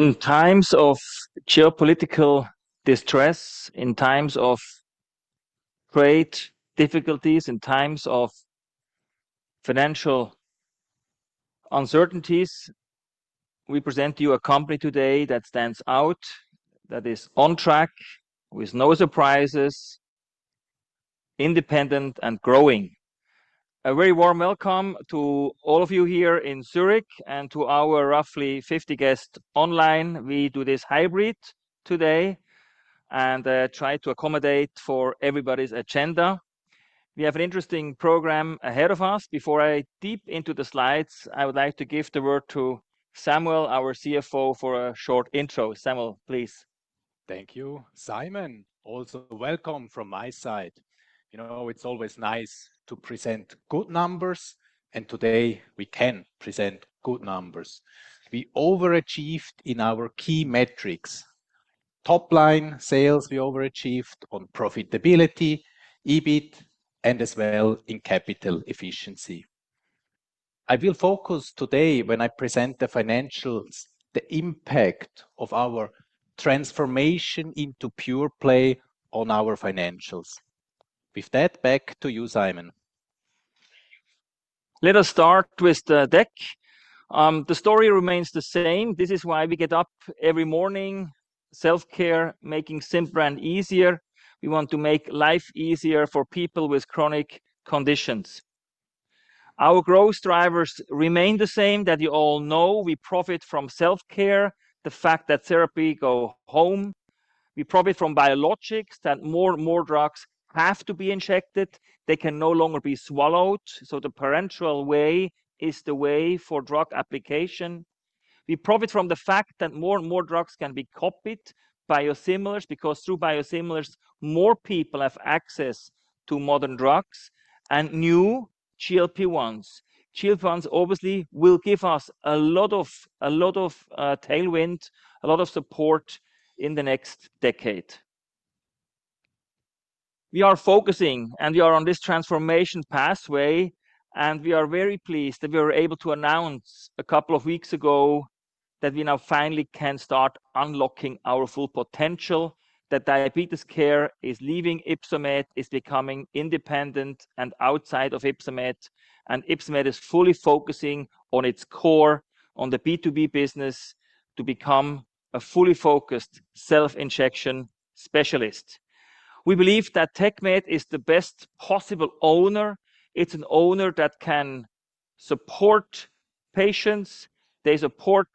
In times of geopolitical distress, in times of great difficulties, in times of financial uncertainties, we present you a company today that stands out, that is on track, with no surprises, independent and growing. A very warm welcome to all of you here in Zurich and to our roughly 50 guests online. We do this hybrid today and try to accommodate for everybody's agenda. We have an interesting program ahead of us. Before I dip into the slides, I would like to give the word to Samuel, our CFO, for a short intro. Samuel, please. Thank you. Simon, also welcome from my side. You know, it's always nice to present good numbers, and today we can present good numbers. We overachieved in our key metrics: top-line sales, we overachieved on profitability, EBIT, and as well in capital efficiency. I will focus today, when I present the financials, on the impact of our transformation into pure play on our financials. With that, back to you, Simon. Let us start with the deck. The story remains the same. This is why we get up every morning: self-care, making SIMPRAN easier. We want to make life easier for people with chronic conditions. Our growth drivers remain the same that you all know. We profit from self-care, the fact that therapy goes home. We profit from biologics, that more and more drugs have to be injected. They can no longer be swallowed. The parenteral way is the way for drug application. We profit from the fact that more and more drugs can be copied, biosimilars, because through biosimilars, more people have access to modern drugs and new, chilled ones. Chilled ones obviously will give us a lot of tailwind, a lot of support in the next decade. We are focusing, and we are on this transformation pathway, and we are very pleased that we were able to announce a couple of weeks ago that we now finally can start unlocking our full potential, that diabetes care is leaving Ypsomed, is becoming independent and outside of Ypsomed, and Ypsomed is fully focusing on its core, on the B2B business, to become a fully focused self-injection specialist. We believe that TechMed is the best possible owner. It's an owner that can support patients. They support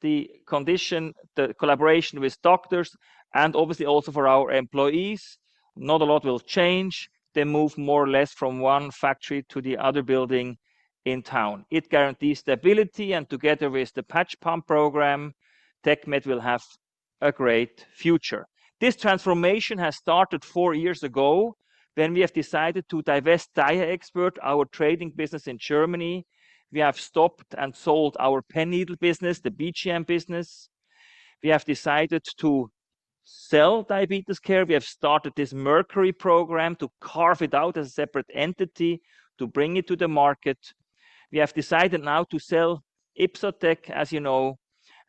the condition, the collaboration with doctors, and obviously also for our employees. Not a lot will change. They move more or less from one factory to the other building in town. It guarantees stability, and together with the patch pump program, TechMed will have a great future. This transformation has started four years ago when we have decided to divest DiaExpert, our trading business in Germany. We have stopped and sold our pen needle business, the BGM business. We have decided to sell diabetes care. We have started this Mercury program to carve it out as a separate entity to bring it to the market. We have decided now to sell Ipsotech, as you know,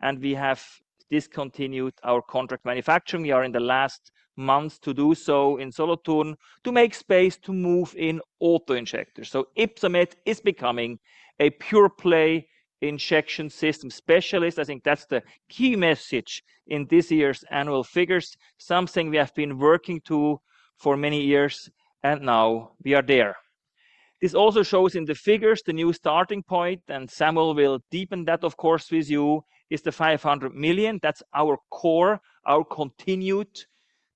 and we have discontinued our contract manufacturing. We are in the last months to do so in Solothurn, to make space to move in auto injectors. Ypsomed is becoming a pure play injection system specialist. I think that's the key message in this year's annual figures, something we have been working to for many years, and now we are there. This also shows in the figures, the new starting point, and Samuel will deepen that, of course, with you, is the 500 million. That's our core, our continued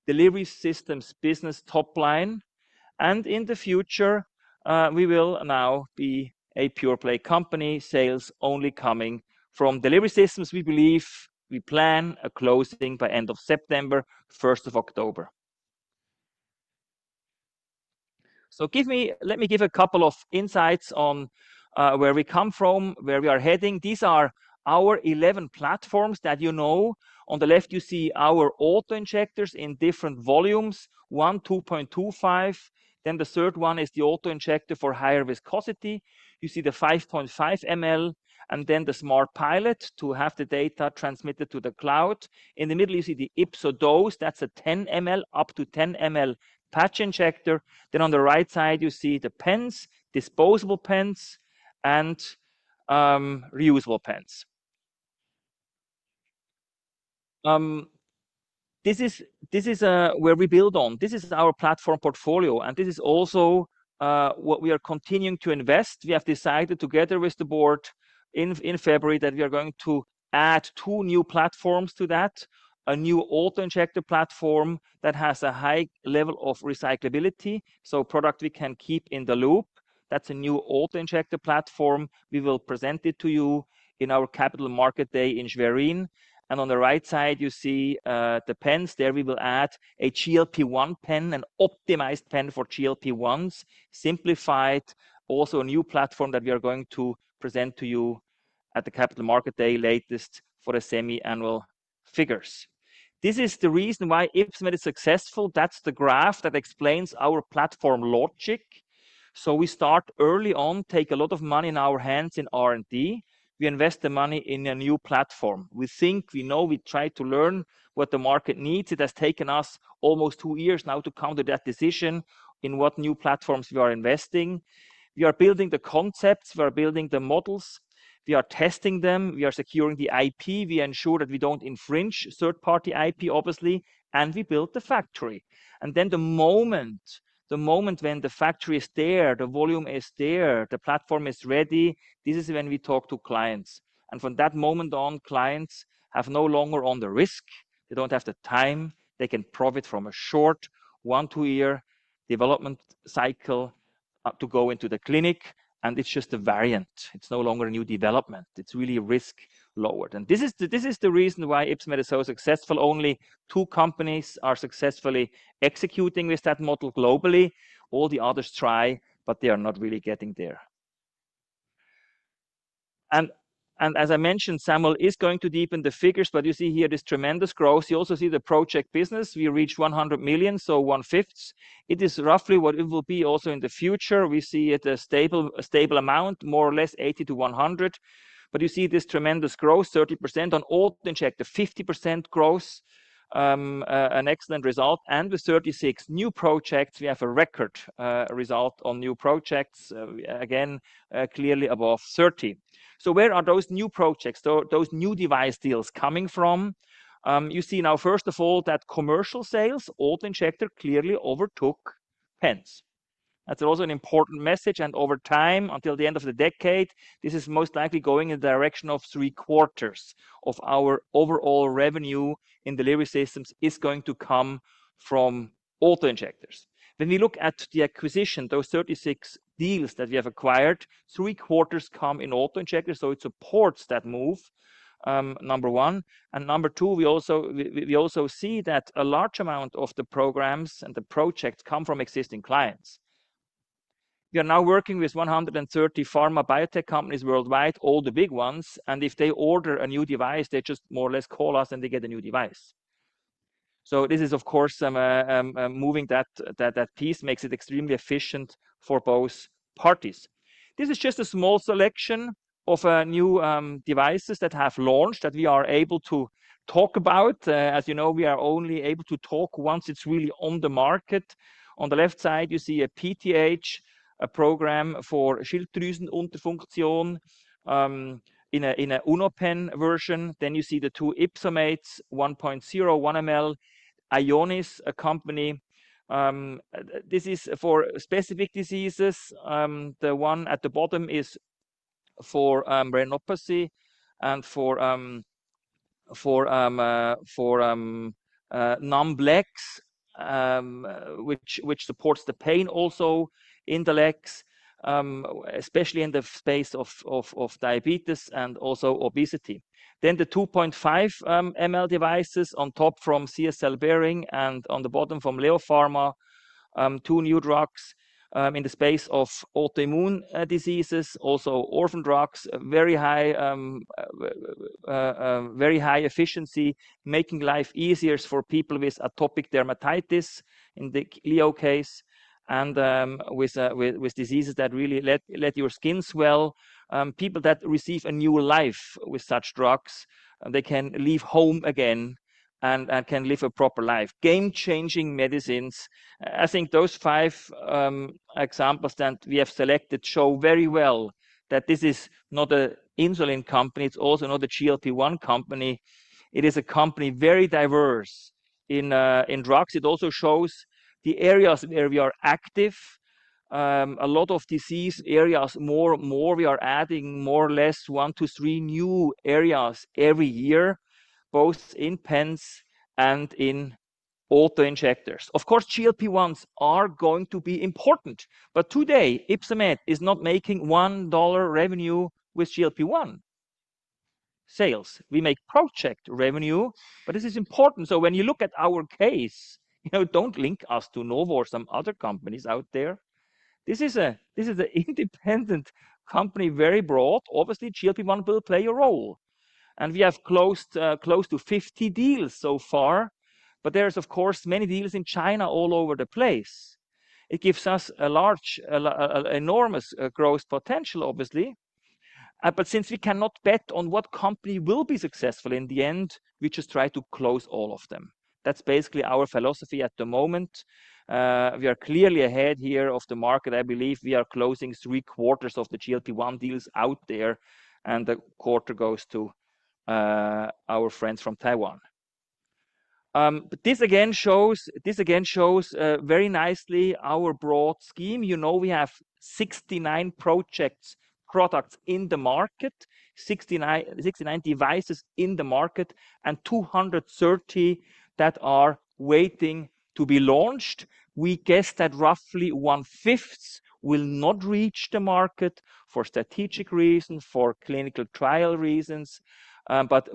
delivery systems business top line. In the future, we will now be a pure play company, sales only coming from delivery systems. We believe we plan a closing by end of September, 1st of October. Let me give a couple of insights on where we come from, where we are heading. These are our 11 platforms that you know. On the left, you see our auto-injectors in different volumes: one, 2.25. The third one is the auto-injector for higher viscosity. You see the 5.5 mL, and then the SmartPilot to have the data transmitted to the cloud. In the middle, you see the Ipsodose. That's a 10 mL, up to 10 mL patch injector. On the right side, you see the pens, disposable pens and reusable pens. This is where we build on. This is our platform portfolio, and this is also what we are continuing to invest. We have decided together with the board in February that we are going to add two new platforms to that: a new auto injector platform that has a high level of recyclability, so product we can keep in the loop. That is a new auto injector platform. We will present it to you in our Capital Market Day in Schwerin. On the right side, you see the pens. There we will add a GLP-1 pen, an optimized pen for GLP-1s, simplified. Also a new platform that we are going to present to you at the Capital Market Day latest for the semi-annual figures. This is the reason why Ypsomed is successful. That's the graph that explains our platform logic. We start early on, take a lot of money in our hands in R&D. We invest the money in a new platform. We think, we know, we try to learn what the market needs. It has taken us almost two years now to come to that decision in what new platforms we are investing. We are building the concepts. We are building the models. We are testing them. We are securing the IP. We ensure that we do not infringe third-party IP, obviously, and we built the factory. The moment the factory is there, the volume is there, the platform is ready, this is when we talk to clients. From that moment on, clients have no longer on the risk. They do not have the time. They can profit from a short one-to-a-year development cycle to go into the clinic, and it's just a variant. It's no longer a new development. It's really risk lowered. This is the reason why Ypsomed is so successful. Only two companies are successfully executing with that model globally. All the others try, but they are not really getting there. As I mentioned, Samuel is going to deepen the figures, but you see here this tremendous growth. You also see the project business. We reached 100 million, so 1/5. It is roughly what it will be also in the future. We see it a stable amount, more or less 80 million-100 million. You see this tremendous growth, 30% on all injector, 50% growth, an excellent result. With 36 new projects, we have a record result on new projects, again, clearly above 30. Where are those new projects, those new device deals coming from? You see now, first of all, that commercial sales, auto injector clearly overtook pens. That is also an important message. Over time, until the end of the decade, this is most likely going in the direction of three quarters of our overall revenue in delivery systems is going to come from auto injectors. When we look at the acquisition, those 36 deals that we have acquired, three quarters come in auto injectors. It supports that move, number one. Number two, we also see that a large amount of the programs and the projects come from existing clients. We are now working with 130 pharma biotech companies worldwide, all the big ones. If they order a new device, they just more or less call us and they get a new device. This is, of course, moving that piece makes it extremely efficient for both parties. This is just a small selection of new devices that have launched that we are able to talk about. As you know, we are only able to talk once it's really on the market. On the left side, you see a PTH pen, a program for Schilddrüsenunterfunktion in an UnoPen version. Then you see the two Ipsomates, 1.0, 1 mL, Ionis, a company. This is for specific diseases. The one at the bottom is for Raynopathy and for numb legs, which supports the pain also in the legs, especially in the space of diabetes and also obesity. The 2.25 mL devices on top from CSL Behring and on the bottom from Leo Pharma, two new drugs in the space of autoimmune diseases, also orphan drugs, very high efficiency, making life easier for people with atopic dermatitis in the Leo case and with diseases that really let your skin swell. People that receive a new life with such drugs, they can leave home again and can live a proper life. Game-changing medicines. I think those five examples that we have selected show very well that this is not an insulin company. It's also not a GLP-1 company. It is a company very diverse in drugs. It also shows the areas where we are active. A lot of disease areas, more and more, we are adding more or less one to three new areas every year, both in pens and in auto-injectors. Of course, GLP-1s are going to be important, but today Ypsomed is not making $1 revenue with GLP-1 sales. We make project revenue, but this is important. When you look at our case, do not link us to Novo or some other companies out there. This is an independent company, very broad. Obviously, GLP-1 will play a role. We have closed close to 50 deals so far, but there are, of course, many deals in China all over the place. It gives us a large, enormous growth potential, obviously. Since we cannot bet on what company will be successful in the end, we just try to close all of them. That is basically our philosophy at the moment. We are clearly ahead here of the market. I believe we are closing three quarters of the GLP-1 deals out there, and the quarter goes to our friends from Taiwan. This again shows very nicely our broad scheme. You know, we have 69 products in the market, 69 devices in the market, and 230 that are waiting to be launched. We guess that roughly 1/5 will not reach the market for strategic reasons, for clinical trial reasons.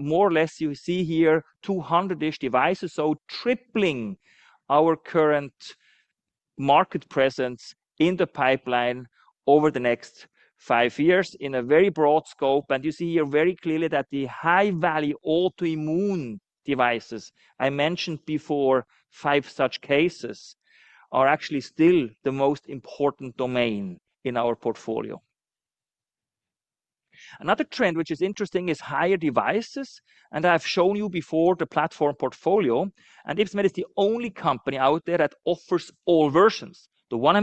More or less, you see here 200-ish devices, so tripling our current market presence in the pipeline over the next five years in a very broad scope. You see here very clearly that the high-value autoimmune devices I mentioned before, five such cases, are actually still the most important domain in our portfolio. Another trend, which is interesting, is higher devices. I have shown you before the platform portfolio. Ypsomed is the only company out there that offers all versions: the 1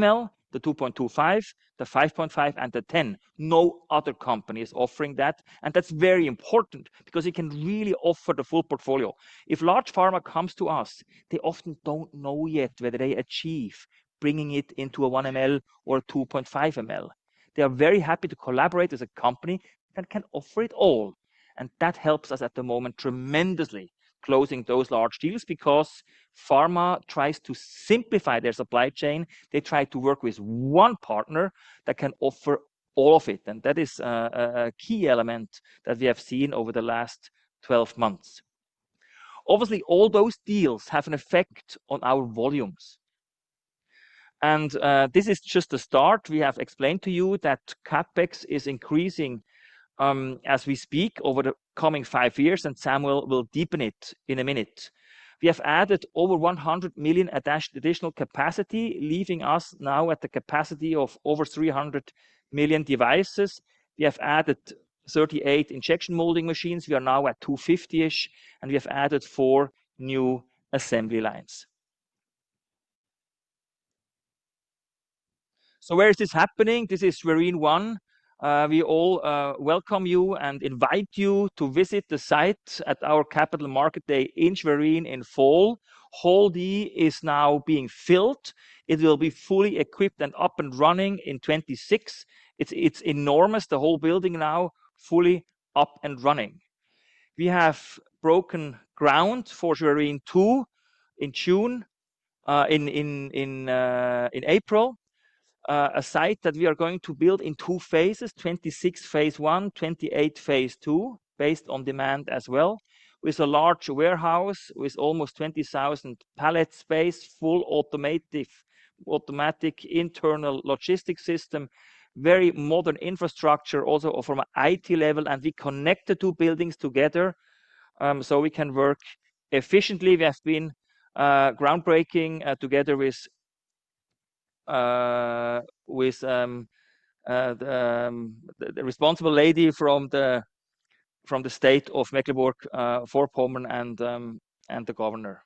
mL, the 2.25, the 5.5, and the 10. No other company is offering that. That is very important because it can really offer the full portfolio. If large pharma comes to us, they often do not know yet whether they achieve bringing it into a 1 mL or 2.5 mL. They are very happy to collaborate with a company that can offer it all. That helps us at the moment tremendously closing those large deals because pharma tries to simplify their supply chain. They try to work with one partner that can offer all of it. That is a key element that we have seen over the last 12 months. Obviously, all those deals have an effect on our volumes. This is just the start. We have explained to you that CapEx is increasing as we speak over the coming five years, and Samuel will deepen it in a minute. We have added over 100 million additional capacity, leaving us now at the capacity of over 300 million devices. We have added 38 injection molding machines. We are now at 250-ish, and we have added four new assembly lines. Where is this happening? This is Schwerin 1. We all welcome you and invite you to visit the site at our Capital Market Day in Schwerin in fall. Hall D is now being filled. It will be fully equipped and up and running in 2026. It is enormous, the whole building now fully up and running. We have broken ground for Schwerin 2 in June, in April, a site that we are going to build in two phases: 26 phase I, 28 phase II, based on demand as well, with a large warehouse with almost 20,000 pallet space, full automatic internal logistics system, very modern infrastructure also from an IT level, and we connect the two buildings together so we can work efficiently. We have been groundbreaking together with the responsible lady from the state of Mecklenburg-Vorpommern and the governor.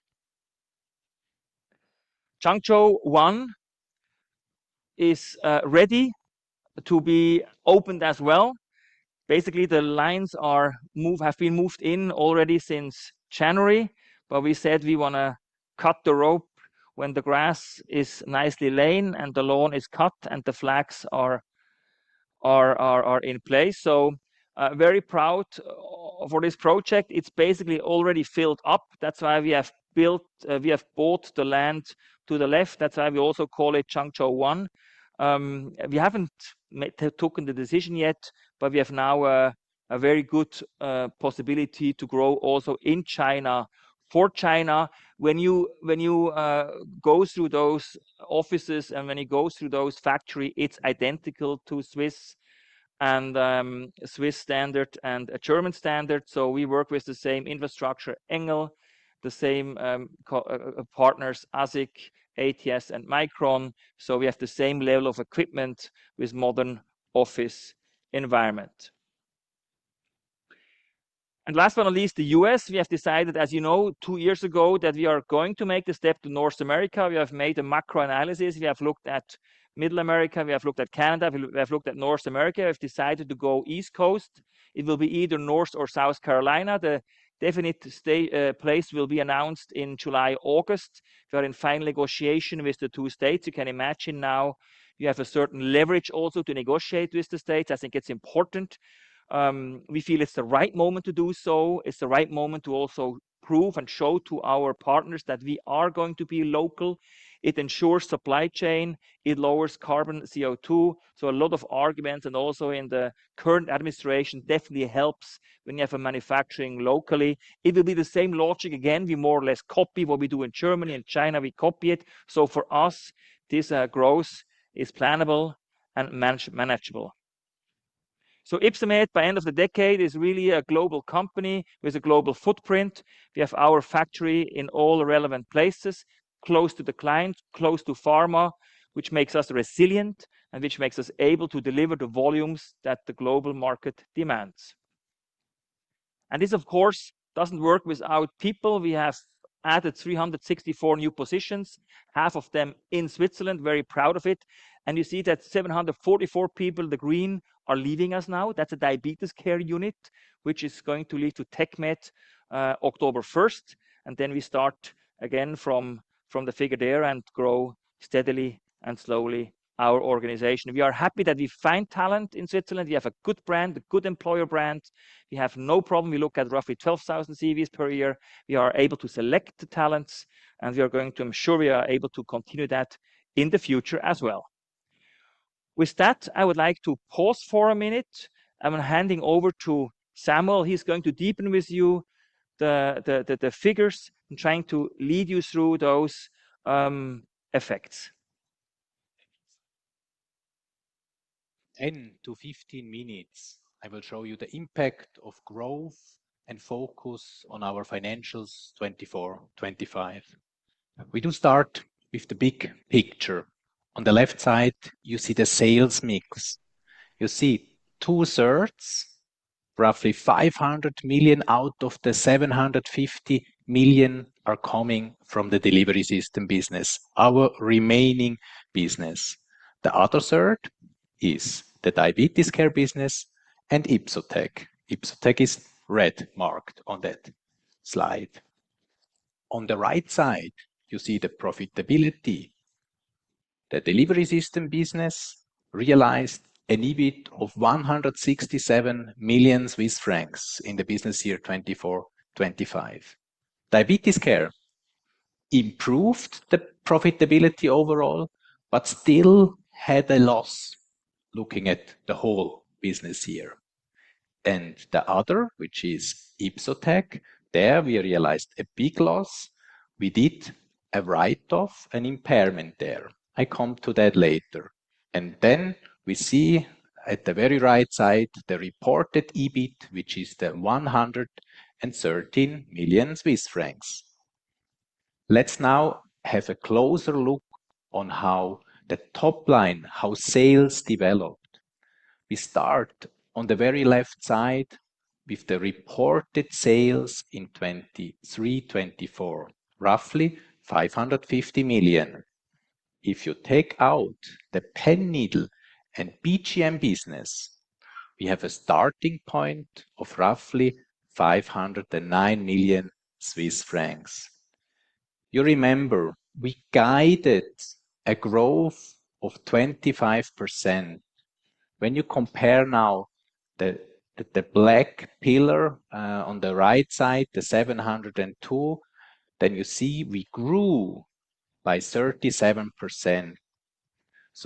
Changzhou 1 is ready to be opened as well. Basically, the lines have been moved in already since January, but we said we want to cut the rope when the grass is nicely laid and the lawn is cut and the flags are in place. Very proud for this project. It is basically already filled up. That's why we have built, we have bought the land to the left. That's why we also call it Changzhou 1. We haven't taken the decision yet, but we have now a very good possibility to grow also in China, for China. When you go through those offices and when you go through those factories, it's identical to Swiss and Swiss standard and German standard. We work with the same infrastructure angle, the same partners, ASIC, ATS, and Micron. We have the same level of equipment with modern office environment. Last but not least, the U.S., we have decided, as you know, two years ago that we are going to make the step to North America. We have made a macro analysis. We have looked at Middle America. We have looked at Canada. We have looked at North America. We have decided to go East Coast. It will be either North or South Carolina. The definite place will be announced in July, August. We are in final negotiation with the two states. You can imagine now we have a certain leverage also to negotiate with the states. I think it's important. We feel it's the right moment to do so. It's the right moment to also prove and show to our partners that we are going to be local. It ensures supply chain. It lowers carbon CO2. A lot of arguments and also in the current administration definitely helps when you have a manufacturing locally. It will be the same logic again. We more or less copy what we do in Germany and China. We copy it. For us, this growth is plannable and manageable. Ypsomed, by the end of the decade, is really a global company with a global footprint. We have our factory in all relevant places, close to the client, close to pharma, which makes us resilient and which makes us able to deliver the volumes that the global market demands. This, of course, does not work without people. We have added 364 new positions, half of them in Switzerland. Very proud of it. You see that 744 people, the green, are leaving us now. That is a diabetes care unit, which is going to lead to TechMed October 1st. We start again from the figure there and grow steadily and slowly our organization. We are happy that we find talent in Switzerland. We have a good brand, a good employer brand. We have no problem. We look at roughly 12,000 CVs per year. We are able to select the talents, and we are going to ensure we are able to continue that in the future as well. With that, I would like to pause for a minute. I'm handing over to Samuel. He's going to deepen with you the figures and trying to lead you through those effects. Ten to 15 minutes, I will show you the impact of growth and focus on our financials 2024, 2025. We do start with the big picture. On the left side, you see the sales mix. You see two thirds, roughly 500 million out of the 750 million, are coming from the delivery system business, our remaining business. The other third is the diabetes care business and Ypsomed. Ypsomed is red marked on that slide. On the right side, you see the profitability. The delivery system business realized an EBIT of 167 million Swiss francs in the business year 2024-2025. Diabetes care improved the profitability overall, but still had a loss looking at the whole business year. The other, which is Ipsotech, there we realized a big loss. We did a write-off and impairment there. I come to that later. We see at the very right side the reported EBIT, which is the 113 million Swiss francs. Let's now have a closer look on how the top line, how sales developed. We start on the very left side with the reported sales in 2023-2024, roughly 550 million. If you take out the pen needle and PGM business, we have a starting point of roughly 509 million Swiss francs. You remember we guided a growth of 25%. When you compare now the black pillar on the right side, the 702, then you see we grew by 37%.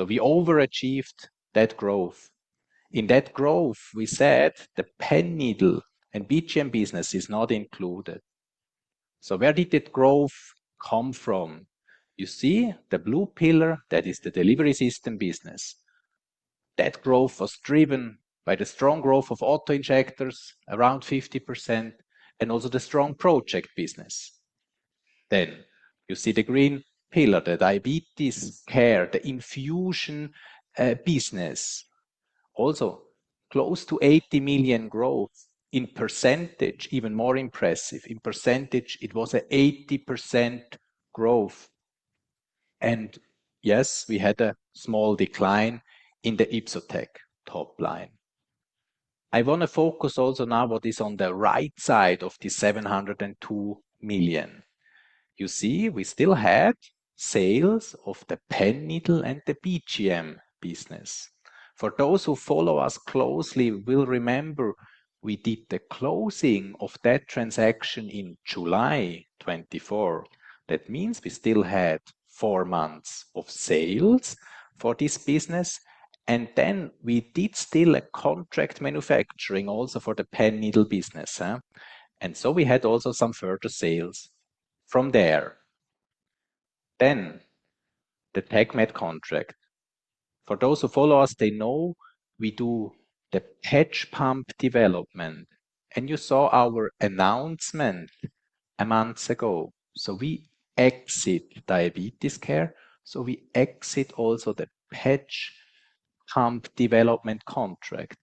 We overachieved that growth. In that growth, we said the pen needle and PGM business is not included. Where did that growth come from? You see the blue pillar, that is the delivery system business. That growth was driven by the strong growth of auto-injectors, around 50%, and also the strong project business. You see the green pillar, the diabetes care, the infusion business. Also close to 80 million growth in percentage, even more impressive. In percentage, it was an 80% growth. Yes, we had a small decline in the Ipsotech top line. I want to focus also now what is on the right side of the 702 million. You see we still had sales of the pen needle and the PGM business. For those who follow us closely, will remember we did the closing of that transaction in July 2024. That means we still had four months of sales for this business. We did still a contract manufacturing also for the pen needle business. We had also some further sales from there. The TechMed contract. For those who follow us, they know we do the patch pump development. You saw our announcement a month ago. We exit diabetes care. We exit also the patch pump development contract.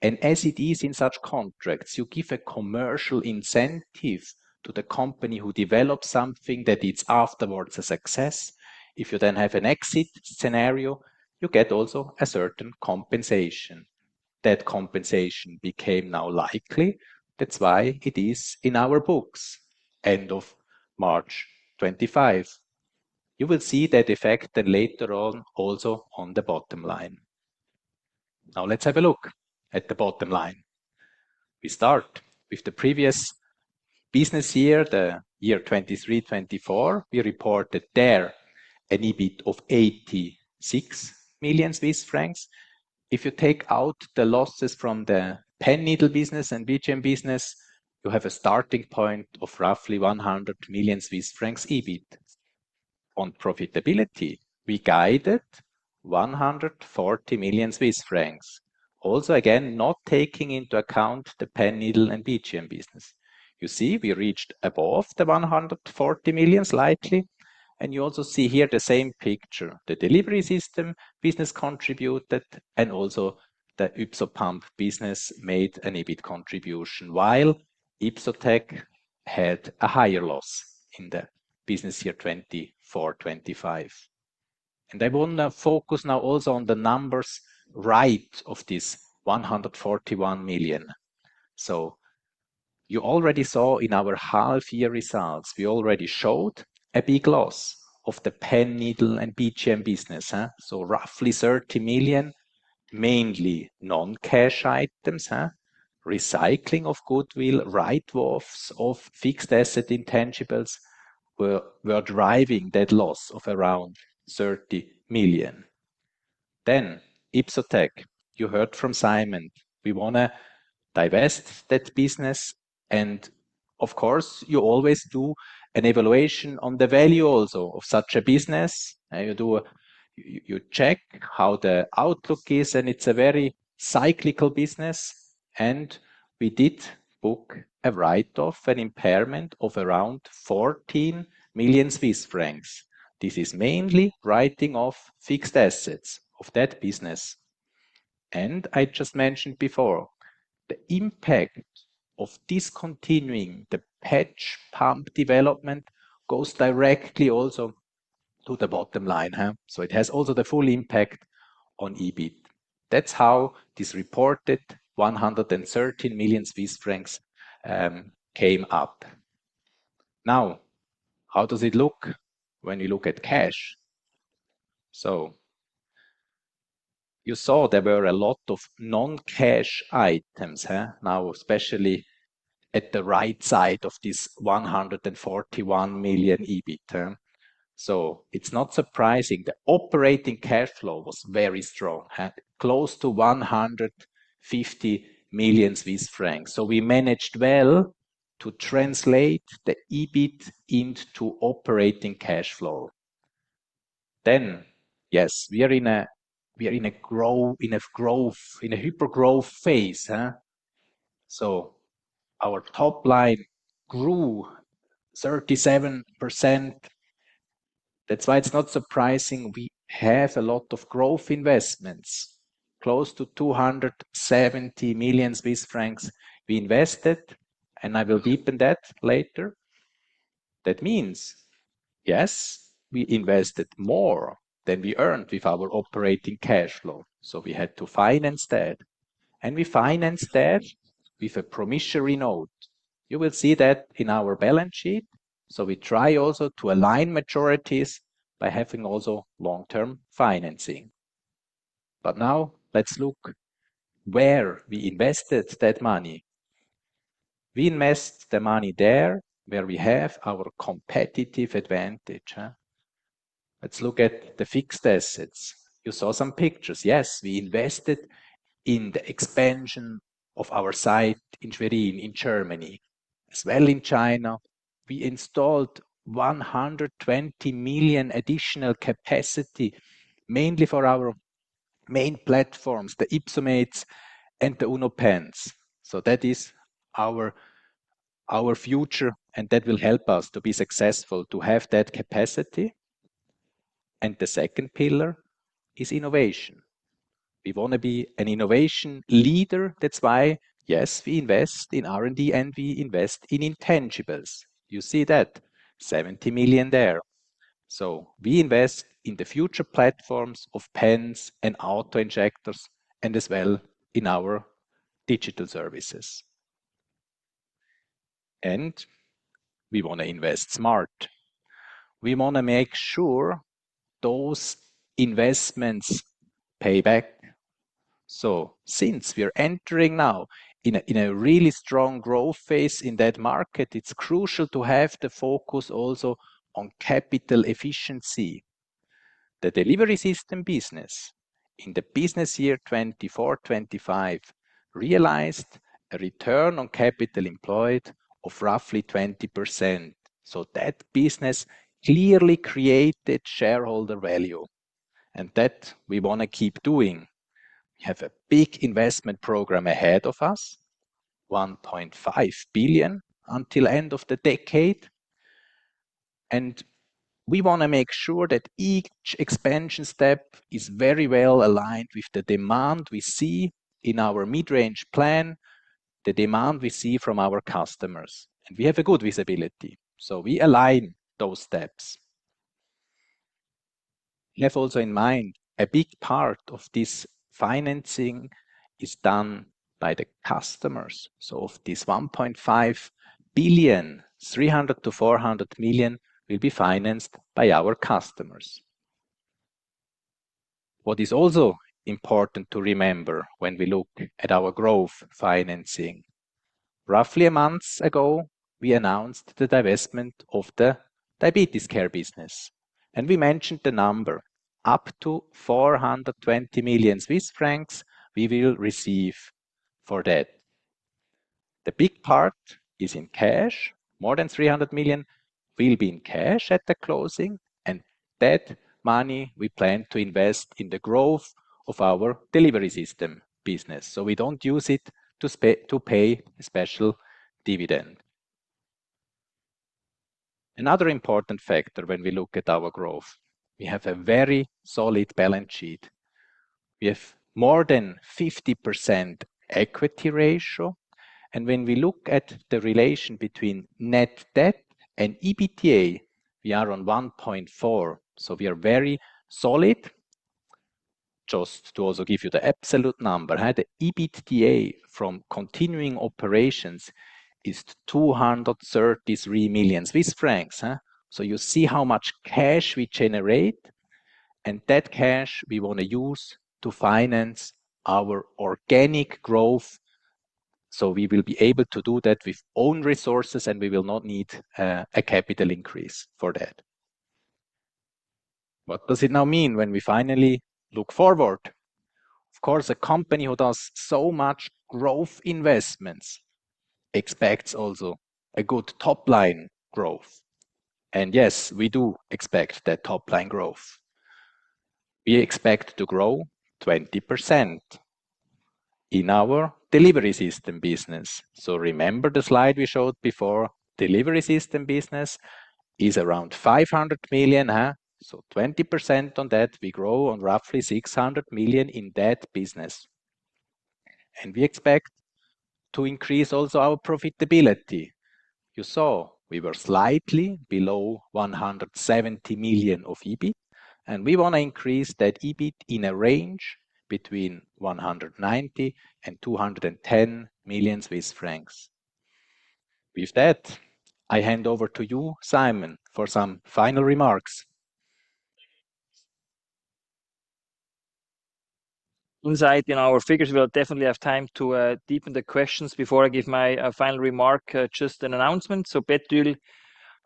As it is in such contracts, you give a commercial incentive to the company who develops something that is afterwards a success. If you then have an exit scenario, you get also a certain compensation. That compensation became now likely. That is why it is in our books, end of March 2025. You will see that effect later on also on the bottom line. Now let's have a look at the bottom line. We start with the previous business year, the year 2023-2024. We reported there an EBIT of 86 million Swiss francs. If you take out the losses from the pen needle business and PGM business, you have a starting point of roughly 100 million Swiss francs EBIT. On profitability, we guided 140 million Swiss francs. Also, again, not taking into account the pen needle and PGM business. You see we reached above the 140 million slightly. You also see here the same picture. The delivery system business contributed and also the Ypsomed pump business made an EBIT contribution while Ipsotech had a higher loss in the business year 2024-2025. I want to focus now also on the numbers right of this 141 million. You already saw in our half-year results, we already showed a big loss of the pen needle and PGM business. Roughly 30 million, mainly non-cash items, recycling of goodwill, write-offs of fixed asset intangibles were driving that loss of around 30 million. Ypsomed, you heard from Simon, we want to divest that business. Of course, you always do an evaluation on the value also of such a business. You check how the outlook is, and it is a very cyclical business. We did book a write-off, an impairment of around 14 million Swiss francs. This is mainly writing off fixed assets of that business. I just mentioned before, the impact of discontinuing the patch pump development goes directly also to the bottom line. It has also the full impact on EBIT. That is how this reported 113 million Swiss francs came up. Now, how does it look when we look at cash? You saw there were a lot of non-cash items, now especially at the right side of this 141 million EBIT. It is not surprising. The operating cash flow was very strong, close to 150 million Swiss francs. We managed well to translate the EBIT into operating cash flow. Yes, we are in a growth, in a hyper-growth phase. Our top line grew 37%. That is why it is not surprising we have a lot of growth investments, close to 270 million Swiss francs we invested. I will deepen that later. That means, yes, we invested more than we earned with our operating cash flow. We had to finance that. We financed that with a promissory note. You will see that in our balance sheet. We try also to align majorities by having also long-term financing. Now let's look where we invested that money. We invest the money there where we have our competitive advantage. Let's look at the fixed assets. You saw some pictures. Yes, we invested in the expansion of our site in Schwerin in Germany. As well in China, we installed 120 million additional capacity, mainly for our main platforms, the Ipsomates and the UnoPens. That is our future, and that will help us to be successful to have that capacity. The second pillar is innovation. We want to be an innovation leader. That's why, yes, we invest in R&D and we invest in intangibles. You see that 70 million there. We invest in the future platforms of pens and auto-injectors and as well in our digital services. We want to invest smart. We want to make sure those investments pay back. Since we are entering now in a really strong growth phase in that market, it's crucial to have the focus also on capital efficiency. The delivery system business in the business year 2024-2025 realized a return on capital employed of roughly 20%. That business clearly created shareholder value. That we want to keep doing. We have a big investment program ahead of us, 1.5 billion until the end of the decade. We want to make sure that each expansion step is very well aligned with the demand we see in our mid-range plan, the demand we see from our customers. We have a good visibility. We align those steps. We have also in mind a big part of this financing is done by the customers. Of this 1.5 billion, 300 million-400 million will be financed by our customers. What is also important to remember when we look at our growth financing, roughly a month ago, we announced the divestment of the diabetes care business. We mentioned the number up to 420 million Swiss francs we will receive for that. The big part is in cash. More than 300 million will be in cash at the closing. That money we plan to invest in the growth of our delivery system business. We do not use it to pay a special dividend. Another important factor when we look at our growth, we have a very solid balance sheet. We have more than 50% equity ratio. When we look at the relation between net debt and EBITDA, we are on 1.4. We are very solid. Just to also give you the absolute number, the EBITDA from continuing operations is 233 million Swiss francs. You see how much cash we generate. That cash we want to use to finance our organic growth. We will be able to do that with own resources and we will not need a capital increase for that. What does it now mean when we finally look forward? Of course, a company who does so much growth investments expects also a good top line growth. Yes, we do expect that top line growth. We expect to grow 20% in our delivery system business. Remember the slide we showed before, delivery system business is around 500 million. 20% on that, we grow on roughly 600 million in that business. We expect to increase also our profitability. You saw we were slightly below 170 million of EBIT. We want to increase that EBIT in a range between 190 million and 210 million Swiss francs. With that, I hand over to you, Simon, for some final remarks. Insight in our figures. We'll definitely have time to deepen the questions before I give my final remark, just an announcement. Betül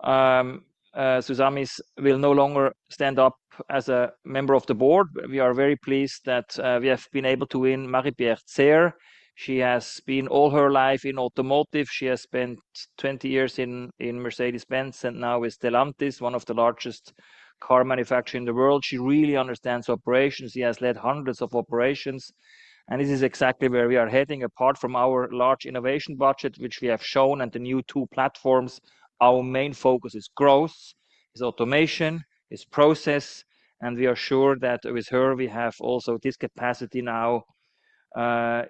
Susamis will no longer stand up as a member of the board. We are very pleased that we have been able to win Marie-Pierre Zerr. She has been all her life in automotive. She has spent 20 years in Mercedes-Benz and now with Stellantis, one of the largest car manufacturers in the world. She really understands operations. She has led hundreds of operations. This is exactly where we are heading. Apart from our large innovation budget, which we have shown, and the new two platforms, our main focus is growth, is automation, is process. We are sure that with her, we have also this capacity now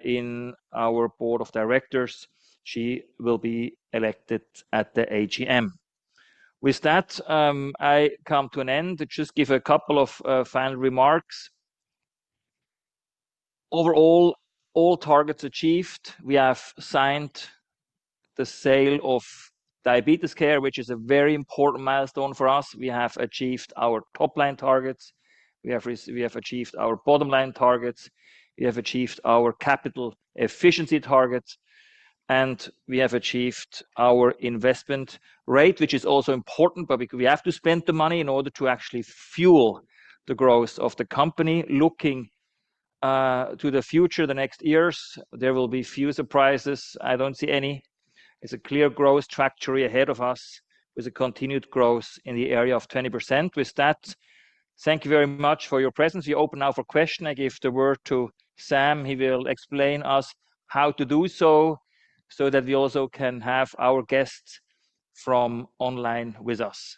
in our Board of Directors. She will be elected at the AGM. With that, I come to an end to just give a couple of final remarks. Overall, all targets achieved. We have signed the sale of diabetes care, which is a very important milestone for us. We have achieved our top line targets. We have achieved our bottom line targets. We have achieved our capital efficiency targets. We have achieved our investment rate, which is also important, but we have to spend the money in order to actually fuel the growth of the company. Looking to the future, the next years, there will be few surprises. I do not see any. It is a clear growth trajectory ahead of us with a continued growth in the area of 20%. With that, thank you very much for your presence. We open now for questions. I give the word to Sam. He will explain to us how to do so so that we also can have our guests from online with us.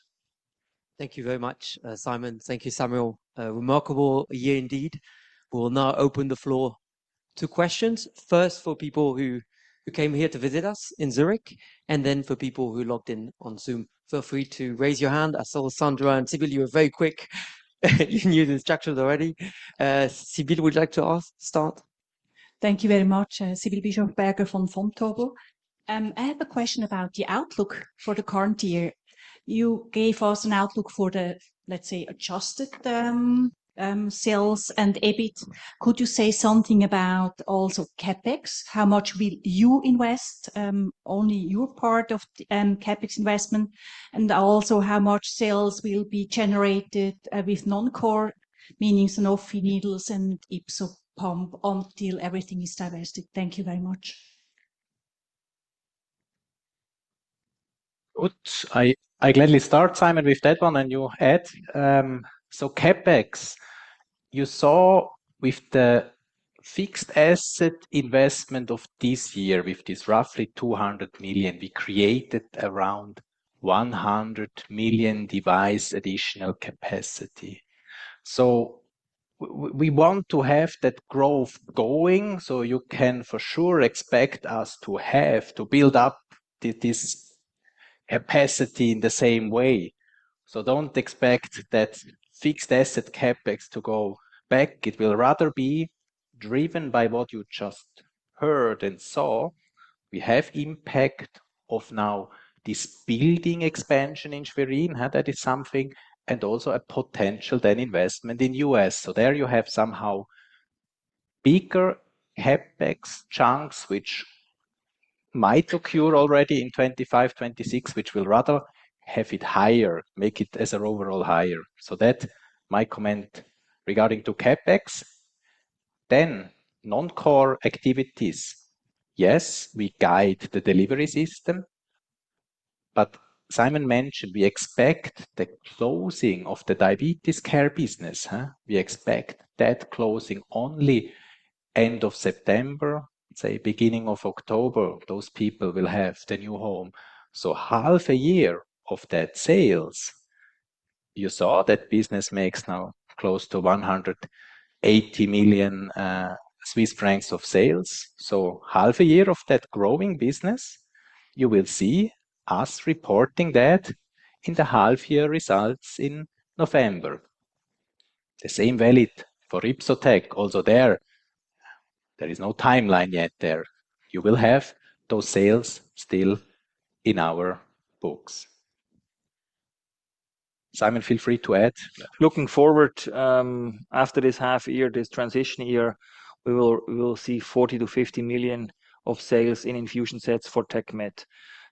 Thank you very much, Simon. Thank you, Samuel. Remarkable year indeed. We'll now open the floor to questions. First, for people who came here to visit us in Zurich, and then for people who logged in on Zoom. Feel free to raise your hand. I saw Sandra and Sibylle, you were very quick in your instructions already. Sibylle, would you like to start? Thank you very much, Sibylle Bischofberger from Vontobel. I have a question about the outlook for the current year. You gave us an outlook for the, let's say, adjusted sales and EBIT. Could you say something about also CapEx, how much will you invest, only your part of CapEx investment, and also how much sales will be generated with non-core, meaning Sanofi, needles, and Ypsomed pump until everything is divested? Thank you very much. I gladly start, Simon, with that one and you add. CapEx, you saw with the fixed asset investment of this year, with this roughly 200 million, we created around 100 million device additional capacity. We want to have that growth going. You can for sure expect us to have to build up this capacity in the same way. Do not expect that fixed asset CapEx to go back. It will rather be driven by what you just heard and saw. We have impact of now this building expansion in Schwerin. That is something and also a potential then investment in the U.S. There you have somehow bigger CapEx chunks, which might occur already in 2025, 2026, which will rather have it higher, make it as an overall higher. That's my comment regarding CapEx. Non-core activities, yes, we guide the delivery system. Simon mentioned we expect the closing of the diabetes care business. We expect that closing only end of September, say beginning of October. Those people will have the new home. Half a year of that sales. You saw that business makes now close to 180 million Swiss francs of sales. Half a year of that growing business, you will see us reporting that in the half year results in November. The same valid for Ypsomed Hack. Also there, there is no timeline yet there. You will have those sales still in our books. Simon, feel free to add. Looking forward after this half year, this transition year, we will see 40 million-50 million of sales in infusion sets for TechMed. This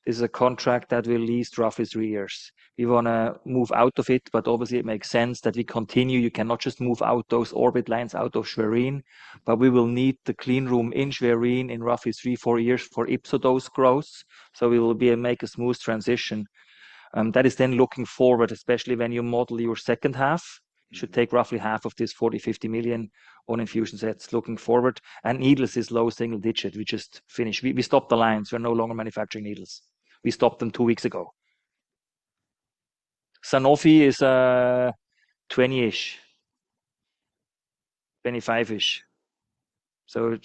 is a contract that will last roughly three years. We want to move out of it, but obviously it makes sense that we continue. You cannot just move out those Orbit lines out of Schwerin, but we will need the clean room in Schwerin in roughly three, four years for Ypsomed Hack growth. We will make a smooth transition. That is then looking forward, especially when you model your second half. It should take roughly half of this 40 million-50 million on infusion sets looking forward. Needles is low single digit. We just finished. We stopped the lines. We are no longer manufacturing needles. We stopped them two weeks ago. Sanofi is 20-ish, 25-ish.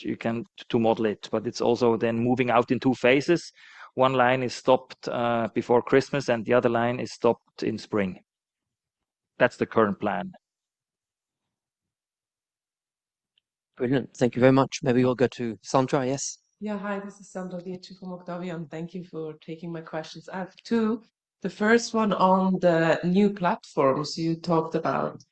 You can model it, but it is also then moving out in two phases. One line is stopped before Christmas and the other line is stopped in spring. That is the current plan. Brilliant. Thank you very much. Maybe we will go to Sandra, yes? Yeah, hi, this is Sandra Skeete from Octavia. Thank you for taking my questions. I have two. The first one on the new platforms you talked about.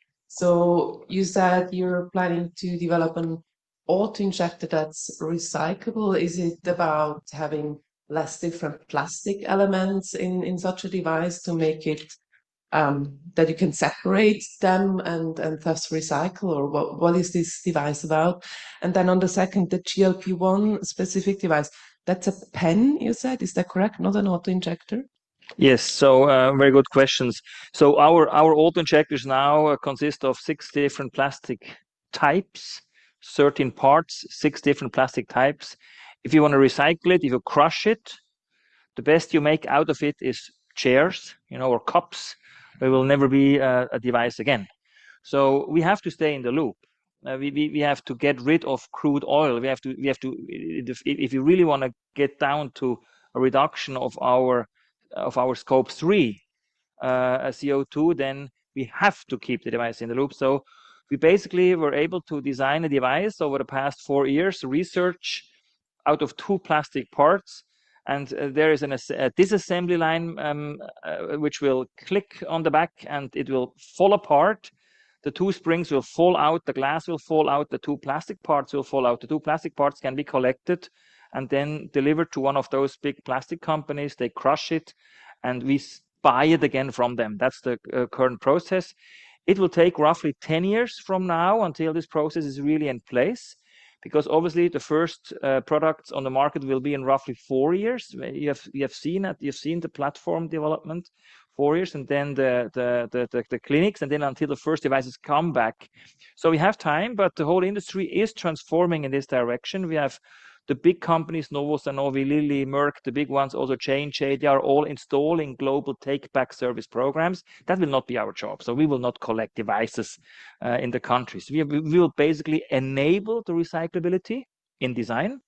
You said you are planning to develop an auto injector that is recyclable. Is it about having fewer different plastic elements in such a device to make it so you can separate them and thus recycle? Or what is this device about? On the second, the GLP-1 specific device, that is a pen, you said. Is that correct? Not an auto injector? Yes, very good questions. Our auto injectors now consist of six different plastic types, 13 parts, six different plastic types. If you want to recycle it, if you crush it, the best you make out of it is chairs or cups. It will never be a device again. We have to stay in the loop. We have to get rid of crude oil. If you really want to get down to a reduction of our scope three, CO2, then we have to keep the device in the loop. We basically were able to design a device over the past four years, research out of two plastic parts. There is a disassembly line which will click on the back and it will fall apart. The two springs will fall out, the glass will fall out, the two plastic parts will fall out. The two plastic parts can be collected and then delivered to one of those big plastic companies. They crush it and we buy it again from them. That's the current process. It will take roughly 10 years from now until this process is really in place because obviously the first products on the market will be in roughly four years. You have seen the platform development, four years, and then the clinics, and then until the first devices come back. We have time, but the whole industry is transforming in this direction. We have the big companies, Novo, Sanofi, Lilly, Merck, the big ones also change. They are all installing global take-back service programs. That will not be our job. We will not collect devices in the country. We will basically enable the recyclability in design.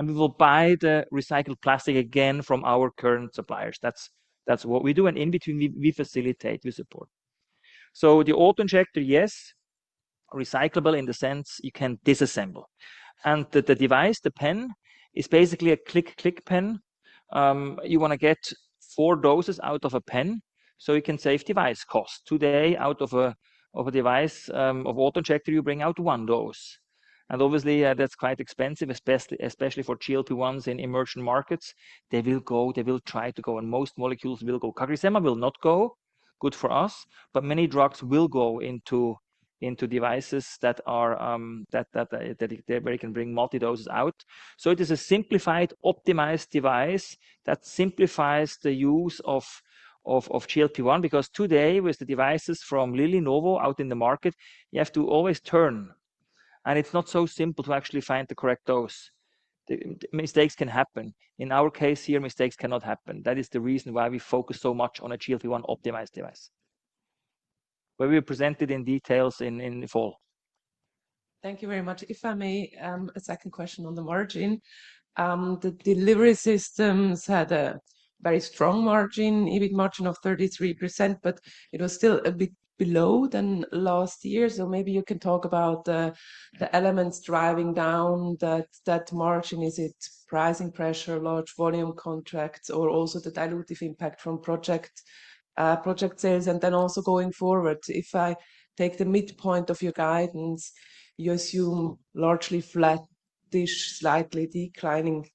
We will buy the recycled plastic again from our current suppliers. That is what we do. In between, we facilitate, we support. The auto injector, yes, recyclable in the sense you can disassemble. The device, the pen, is basically a click, click pen. You want to get four doses out of a pen so you can save device cost. Today, out of a device of auto injector, you bring out one dose. Obviously, that is quite expensive, especially for GLP-1s in emerging markets. They will go, they will try to go, and most molecules will go. CagriSema will not go. Good for us. Many drugs will go into devices that are where you can bring multi-doses out. It is a simplified, optimized device that simplifies the use of GLP-1 because today, with the devices from Lilly, Novo out in the market, you have to always turn. It is not so simple to actually find the correct dose. Mistakes can happen. In our case here, mistakes cannot happen. That is the reason why we focus so much on a GLP-1 optimized device, where we presented in details in the fall. Thank you very much. If I may, a second question on the margin. The delivery systems had a very strong margin, EBIT margin of 33%, but it was still a bit below than last year. Maybe you can talk about the elements driving down that margin. Is it pricing pressure, large volume contracts, or also the dilutive impact from project sales? Then also going forward, if I take the midpoint of your guidance, you assume largely flat-ish, slightly declining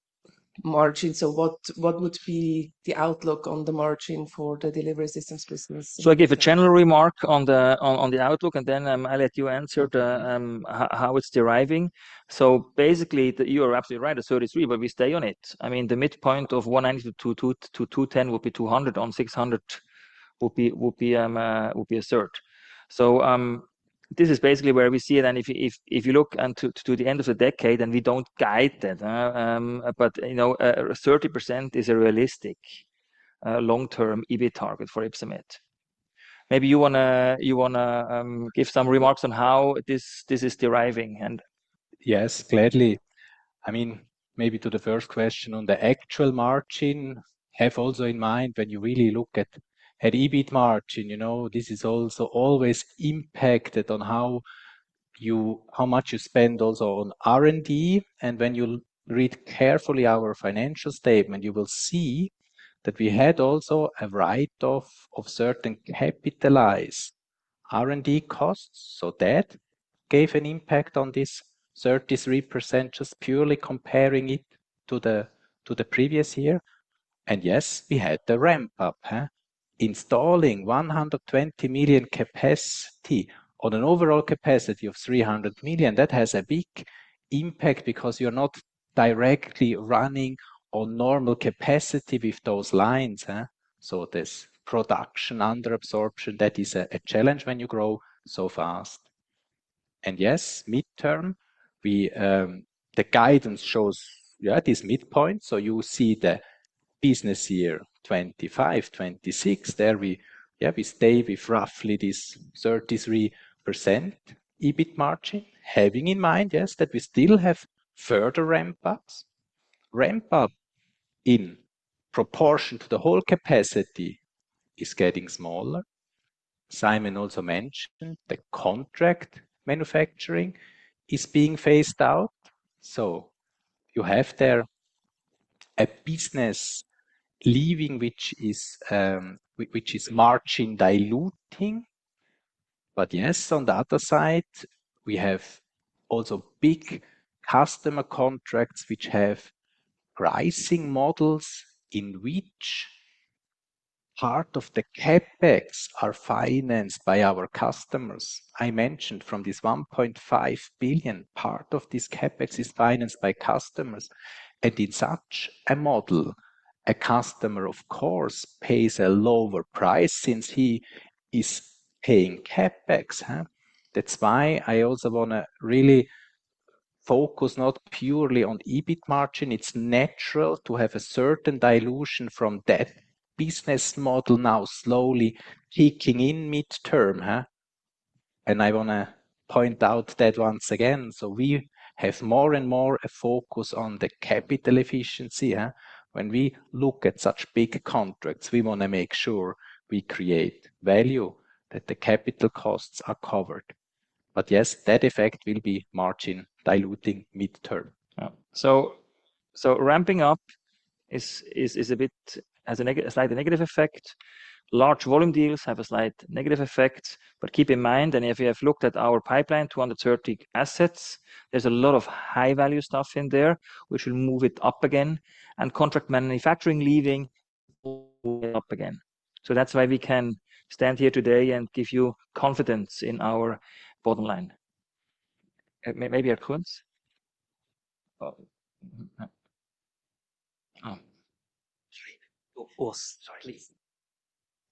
margin. What would be the outlook on the margin for the delivery systems business? I gave a general remark on the outlook, and then I let you answer how it is deriving. Basically, you are absolutely right, a 33%, but we stay on it. I mean, the midpoint of 190-210 would be 200 on 600 would be 1/3. This is basically where we see it. If you look to the end of the decade, and we do not guide that, but 30% is a realistic long-term EBIT target for Ypsomed. Maybe you want to give some remarks on how this is deriving and. Yes, gladly. I mean, maybe to the first question on the actual margin, have also in mind when you really look at EBIT margin, this is also always impacted on how much you spend also on R&D. And when you read carefully our financial statement, you will see that we had also a write-off of certain capitalized R&D costs. That gave an impact on this 33% just purely comparing it to the previous year. Yes, we had the ramp-up. Installing 120 million capacity on an overall capacity of 300 million, that has a big impact because you're not directly running on normal capacity with those lines. There is production under absorption. That is a challenge when you grow so fast. Yes, midterm, the guidance shows this midpoint. You see the business year 2025, 2026, there we stay with roughly this 33% EBIT margin, having in mind, yes, that we still have further ramp-ups. Ramp-up in proportion to the whole capacity is getting smaller. Simon also mentioned the contract manufacturing is being phased out. You have there a business leaving, which is margin diluting. Yes, on the other side, we have also big customer contracts which have pricing models in which part of the CapEx are financed by our customers. I mentioned from this 1.5 billion part of this CapEx is financed by customers. In such a model, a customer, of course, pays a lower price since he is paying CapEx. That is why I also want to really focus not purely on EBIT margin. It is natural to have a certain dilution from that business model now slowly kicking in midterm. I want to point out that once again. We have more and more a focus on the capital efficiency. When we look at such big contracts, we want to make sure we create value that the capital costs are covered. Yes, that effect will be margin diluting midterm. Ramping up is a bit has a slight negative effect. Large volume deals have a slight negative effect. Keep in mind, and if you have looked at our pipeline, 230 assets, there is a lot of high-value stuff in there. We should move it up again. Contract manufacturing leaving up again. That is why we can stand here today and give you confidence in our bottom line. Maybe Urs Kunz?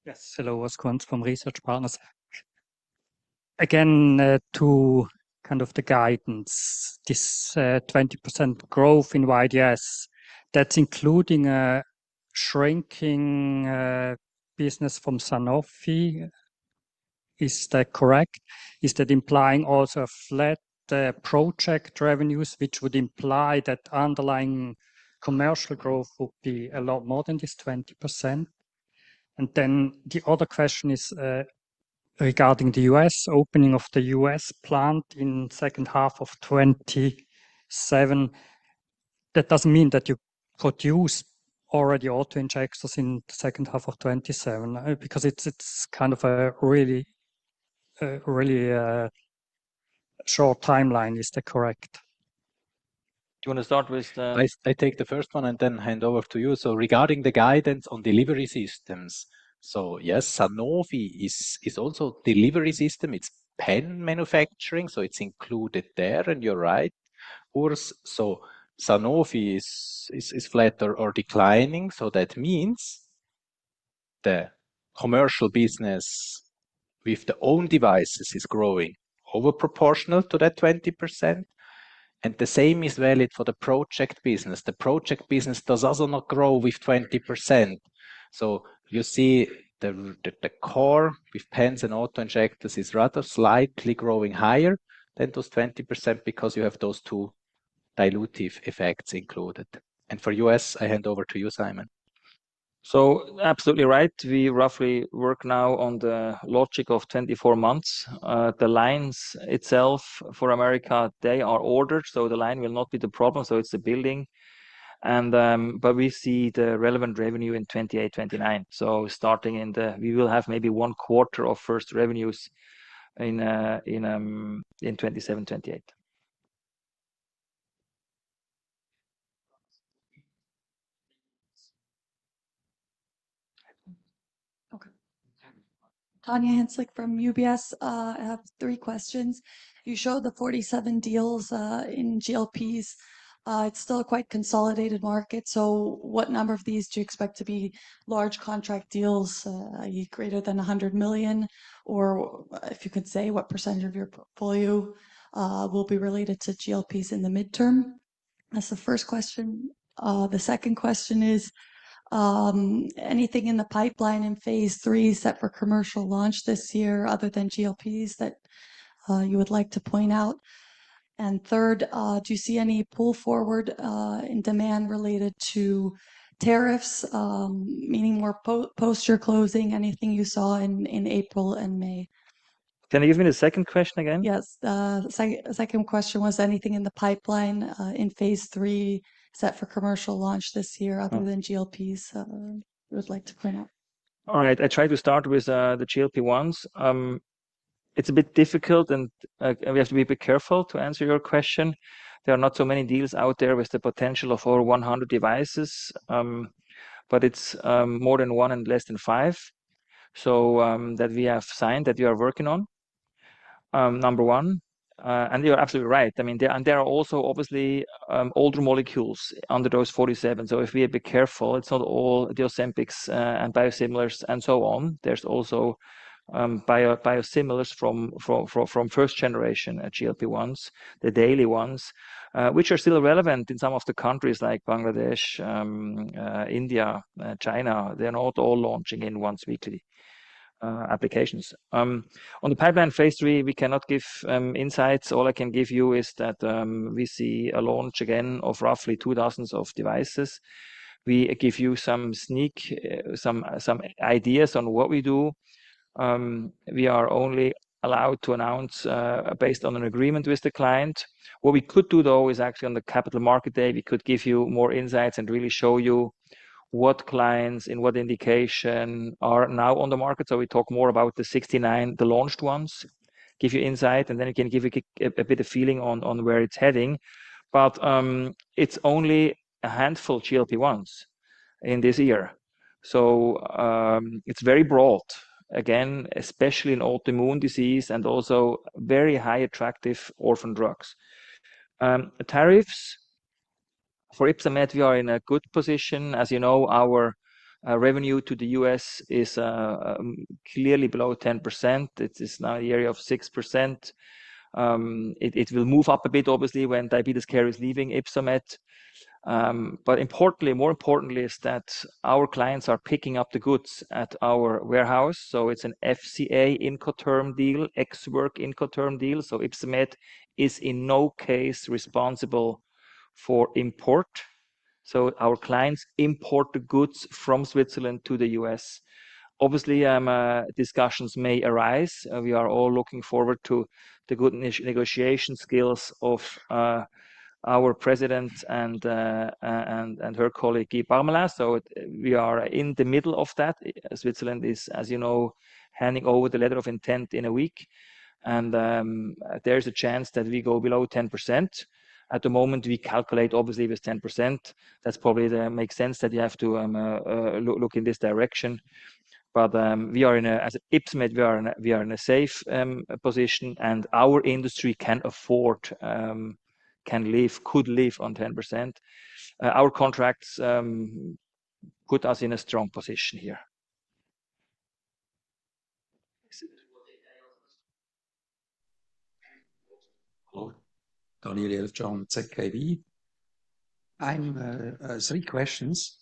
Yes. Hello, Urs Kunz from Research Partners. Again, to kind of the guidance, this 20% growth in YDS, that is including a shrinking business from Sanofi. Is that correct? Is that implying also a flat project revenues, which would imply that underlying commercial growth would be a lot more than this 20%? The other question is regarding the U.S. opening of the U.S. plant in the second half of 2027. That does not mean that you produce already auto-injectors in the second half of 2027 because it is kind of a really short timeline. Is that correct? Do you want to start with? I take the first one and then hand over to you. Regarding the guidance on delivery systems, yes, Sanofi is also a delivery system. It is pen manufacturing, so it is included there, and you are right. Sanofi is flat or declining. That means the commercial business with the own devices is growing over proportional to that 20%. The same is valid for the project business. The project business does also not grow with 20%. You see the core with pens and auto-injectors is rather slightly growing higher than those 20% because you have those two dilutive effects included. For U.S., I hand over to you, Simon. Absolutely right. We roughly work now on the logic of 24 months. The lines itself for America, they are ordered, so the line will not be the problem. It is the building. We see the relevant revenue in 2028, 2029. Starting in the, we will have maybe one quarter of first revenues in 2027, 2028. Okay. Tanya Hansalik from UBS, I have three questions. You showed the 47 deals in GLP-1s. It is still a quite consolidated market. What number of these do you expect to be large contract deals, greater than 100 million? If you could say, what percentage of your portfolio will be related to GLPs in the midterm? That's the first question. The second question is, anything in the pipeline in phase three set for commercial launch this year other than GLPs that you would like to point out? Third, do you see any pull forward in demand related to tariffs, meaning more poster closing, anything you saw in April and May? Can you give me the second question again? Yes. The second question was, anything in the pipeline in phase three set for commercial launch this year other than GLPs you would like to point out? All right. I try to start with the GLP-1s. It's a bit difficult, and we have to be a bit careful to answer your question. There are not so many deals out there with the potential of over 100 devices, but it's more than one and less than five that we have signed that we are working on, number one. And you're absolutely right. I mean, there are also obviously older molecules under those 47. If we are a bit careful, it's not all the Ozempics and biosimilars and so on. There's also biosimilars from first generation GLP-1s, the daily ones, which are still relevant in some of the countries like Bangladesh, India, China. They're not all launching in once-weekly applications. On the pipeline phase III, we cannot give insights. All I can give you is that we see a launch again of roughly two dozens of devices. We give you some sneak, some ideas on what we do. We are only allowed to announce based on an agreement with the client. What we could do, though, is actually on the capital market day, we could give you more insights and really show you what clients in what indication are now on the market. We talk more about the 69, the launched ones, give you insight, and then you can give you a bit of feeling on where it's heading. It is only a handful of GLP-1s in this year. It is very broad, again, especially in autoimmune disease and also very high-attractive orphan drugs. Tariffs for Ypsomed, we are in a good position. As you know, our revenue to the U.S. is clearly below 10%. It is now in the area of 6%. It will move up a bit, obviously, when Diabetes Care is leaving Ypsomed. More importantly, is that our clients are picking up the goods at our warehouse. It's an FCA Incoterm deal, ex-work Incoterm deal. Ypsomed is in no case responsible for import. Our clients import the goods from Switzerland to the U.S. Obviously, discussions may arise. We are all looking forward to the good negotiation skills of our President and her colleague, Guy Parmelin. We are in the middle of that. Switzerland is, as you know, handing over the letter of intent in a week. There is a chance that we go below 10%. At the moment, we calculate, obviously, with 10%. That probably makes sense that you have to look in this direction. As Ypsomed, we are in a safe position, and our industry can afford, can live, could live on 10%. Our contracts put us in a strong position here. Hello. Daniel Jelovcan, ZKB. I am three questions.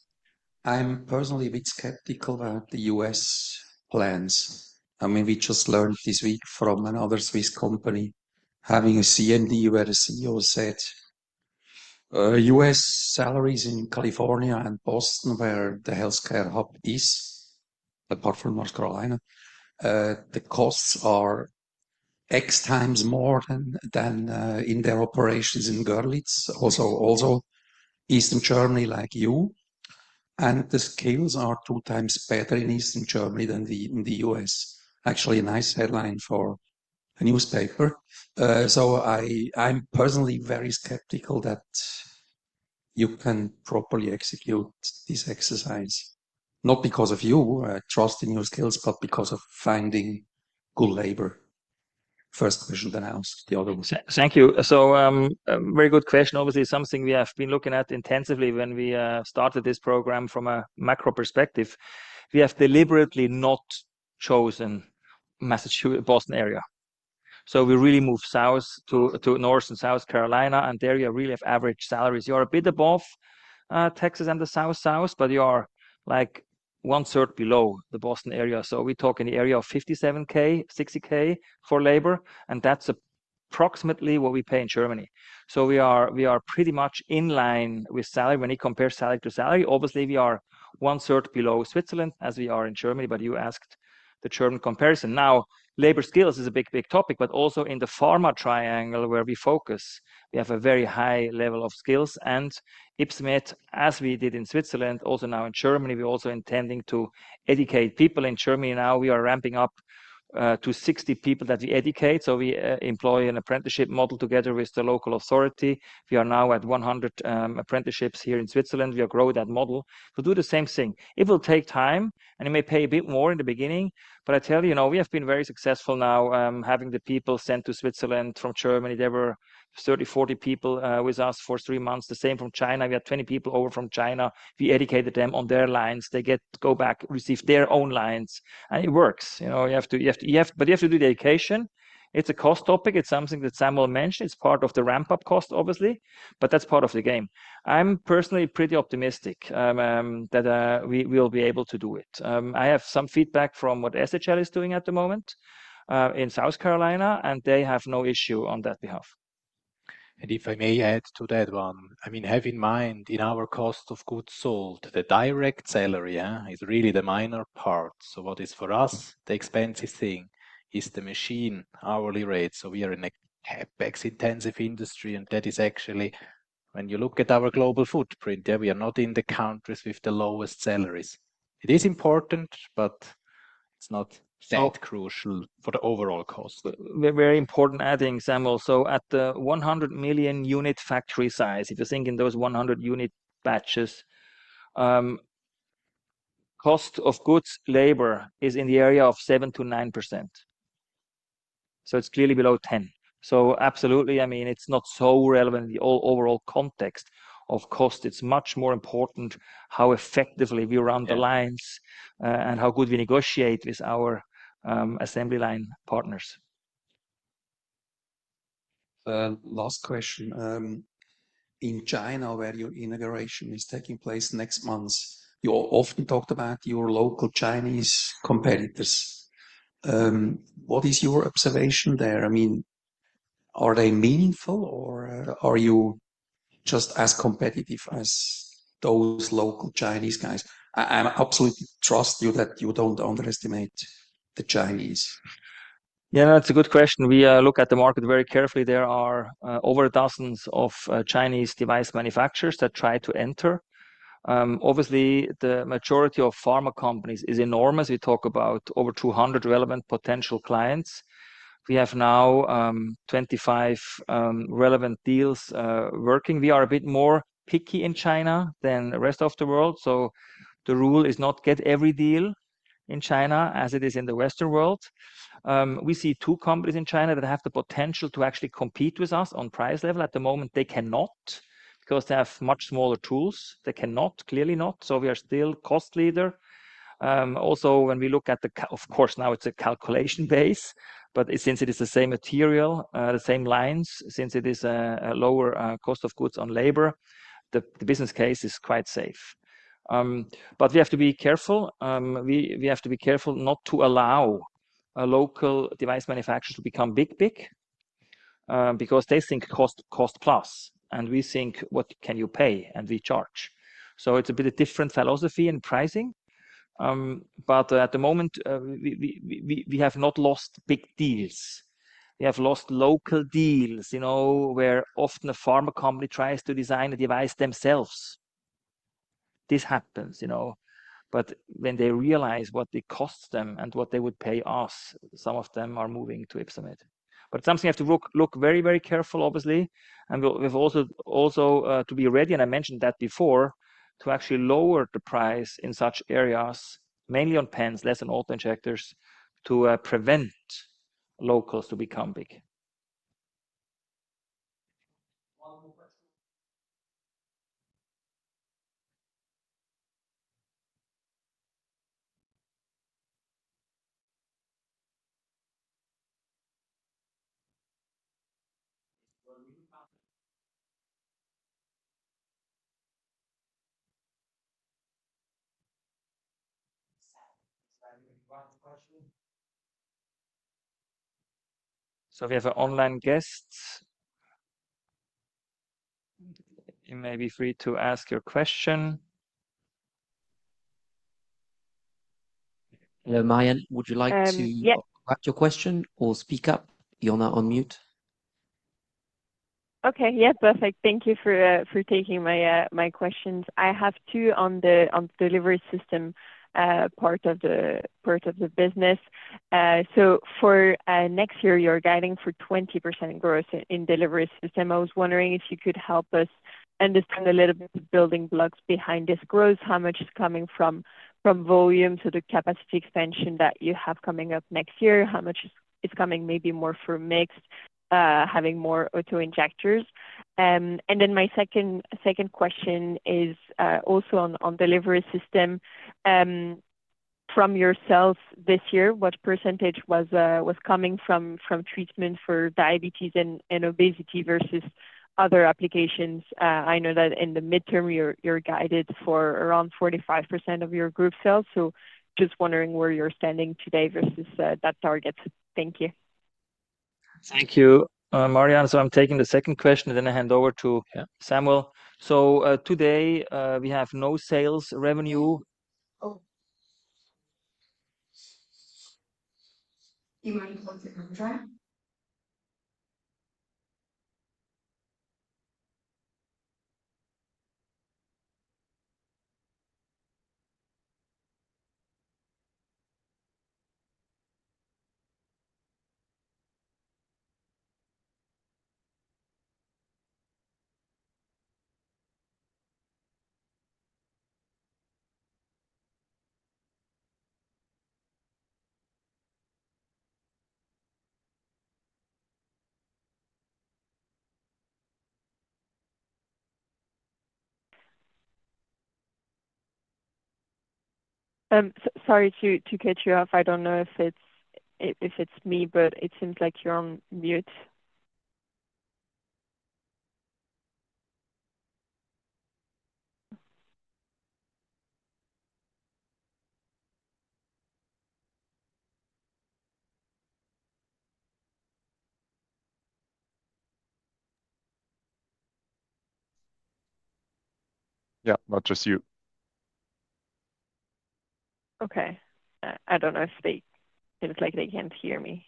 I'm personally a bit skeptical about the U.S. plans. I mean, we just learned this week from another Swiss company having a C&D where the CEO said U.S. salaries in California and Boston where the healthcare hub is, apart from North Carolina, the costs are X times more than in their operations in Görlitz, also Eastern Germany like you. And the skills are two times better in Eastern Germany than in the U.S. Actually, a nice headline for a newspaper. I'm personally very skeptical that you can properly execute this exercise, not because of you, trusting your skills, but because of finding good labor. First question that I asked, the other one. Thank you. Very good question. Obviously, it's something we have been looking at intensively when we started this program from a macro perspective. We have deliberately not chosen the Boston area. We really move south to North and South Carolina, and there you really have average salaries. You are a bit above Texas and the South South, but you are like one third below the Boston area. We talk in the area of 57,000-60,000 for labor, and that's approximately what we pay in Germany. We are pretty much in line with salary when you compare salary to salary. Obviously, we are one third below Switzerland as we are in Germany, but you asked the German comparison. Now, labor skills is a big, big topic, but also in the pharma triangle where we focus, we have a very high level of skills. And Ypsomed, as we did in Switzerland, also now in Germany, we're also intending to educate people in Germany. Now we are ramping up to 60 people that we educate. We employ an apprenticeship model together with the local authority. We are now at 100 apprenticeships here in Switzerland. We are growing that model to do the same thing. It will take time, and it may pay a bit more in the beginning. I tell you, we have been very successful now having the people sent to Switzerland from Germany. There were 30-40 people with us for three months. The same from China. We had 20 people over from China. We educated them on their lines. They go back, receive their own lines, and it works. You have to do the education. It's a cost topic. It's something that Samuel mentioned. It's part of the ramp-up cost, obviously, but that's part of the game. I'm personally pretty optimistic that we will be able to do it. I have some feedback from what SHL is doing at the moment in South Carolina, and they have no issue on that behalf. If I may add to that one, I mean, have in mind in our cost of goods sold, the direct salary is really the minor part. What is for us, the expensive thing is the machine, hourly rate. We are in a CapEx-intensive industry, and that is actually when you look at our global footprint, we are not in the countries with the lowest salaries. It is important, but it is not that crucial for the overall cost. Very important adding, Samuel, at the 100 million unit factory size, if you are thinking those 100 unit batches, cost of goods labor is in the area of 7%-9%. It is clearly below 10%. Absolutely, I mean, it's not so relevant in the overall context of cost. It's much more important how effectively we run the lines and how good we negotiate with our assembly line partners. Last question. In China, where your inauguration is taking place next month, you often talked about your local Chinese competitors. What is your observation there? I mean, are they meaningful, or are you just as competitive as those local Chinese guys? I absolutely trust you that you don't underestimate the Chinese. Yeah, that's a good question. We look at the market very carefully. There are over dozens of Chinese device manufacturers that try to enter. Obviously, the majority of pharma companies is enormous. We talk about over 200 relevant potential clients. We have now 25 relevant deals working. We are a bit more picky in China than the rest of the world. The rule is not to get every deal in China as it is in the Western world. We see two companies in China that have the potential to actually compete with us on price level. At the moment, they cannot because they have much smaller tools. They cannot, clearly not. We are still cost leader. Also, when we look at the, of course, now it is a calculation base, but since it is the same material, the same lines, since it is a lower cost of goods on labor, the business case is quite safe. We have to be careful. We have to be careful not to allow a local device manufacturer to become big, big because they think cost plus, and we think, what can you pay? We charge. It is a bit of different philosophy and pricing. At the moment, we have not lost big deals. We have lost local deals where often a pharma company tries to design a device themselves. This happens, but when they realize what it costs them and what they would pay us, some of them are moving to Ypsomed. It is something you have to look very, very carefully, obviously. We also have to be ready, and I mentioned that before, to actually lower the price in such areas, mainly on pens, less on auto-injectors, to prevent locals from becoming big. If you have an online guest, you may be free to ask your question. Hello, Marianne. Would you like to add your question or speak up? You are now on mute. Okay. Yeah, perfect. Thank you for taking my questions. I have two on the delivery system part of the business. For next year, you're guiding for 20% growth in delivery system. I was wondering if you could help us understand a little bit of the building blocks behind this growth, how much is coming from volume to the capacity expansion that you have coming up next year, how much is coming maybe more for mix, having more auto-injectors. My second question is also on delivery system. From yourself this year, what percentage was coming from treatment for diabetes and obesity versus other applications? I know that in the midterm, you're guided for around 45% of your group sales. Just wondering where you're standing today versus that target. Thank you. Thank you. Marianne, I'm taking the second question, then I hand over to Samuel. Today, we have no sales revenue. Sorry to cut you off. I don't know if it's me, but it seems like you're on mute. Yeah, not just you. Okay. I don't know if they feel like they can't hear me.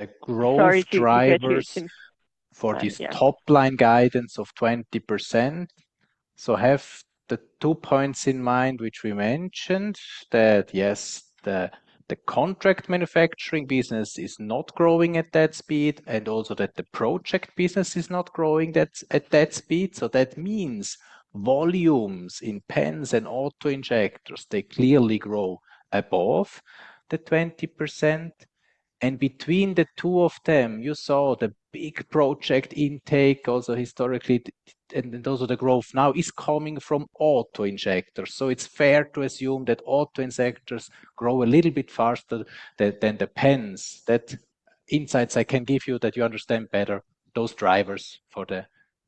The growth drivers for this top-line guidance of 20%. Have the two points in mind, which we mentioned, that yes, the contract manufacturing business is not growing at that speed, and also that the project business is not growing at that speed. That means volumes in pens and auto injectors, they clearly grow above the 20%. Between the two of them, you saw the big project intake also historically, and those are the growth now is coming from auto injectors. It's fair to assume that auto injectors grow a little bit faster than the pens. That insights I can give you that you understand better those drivers for the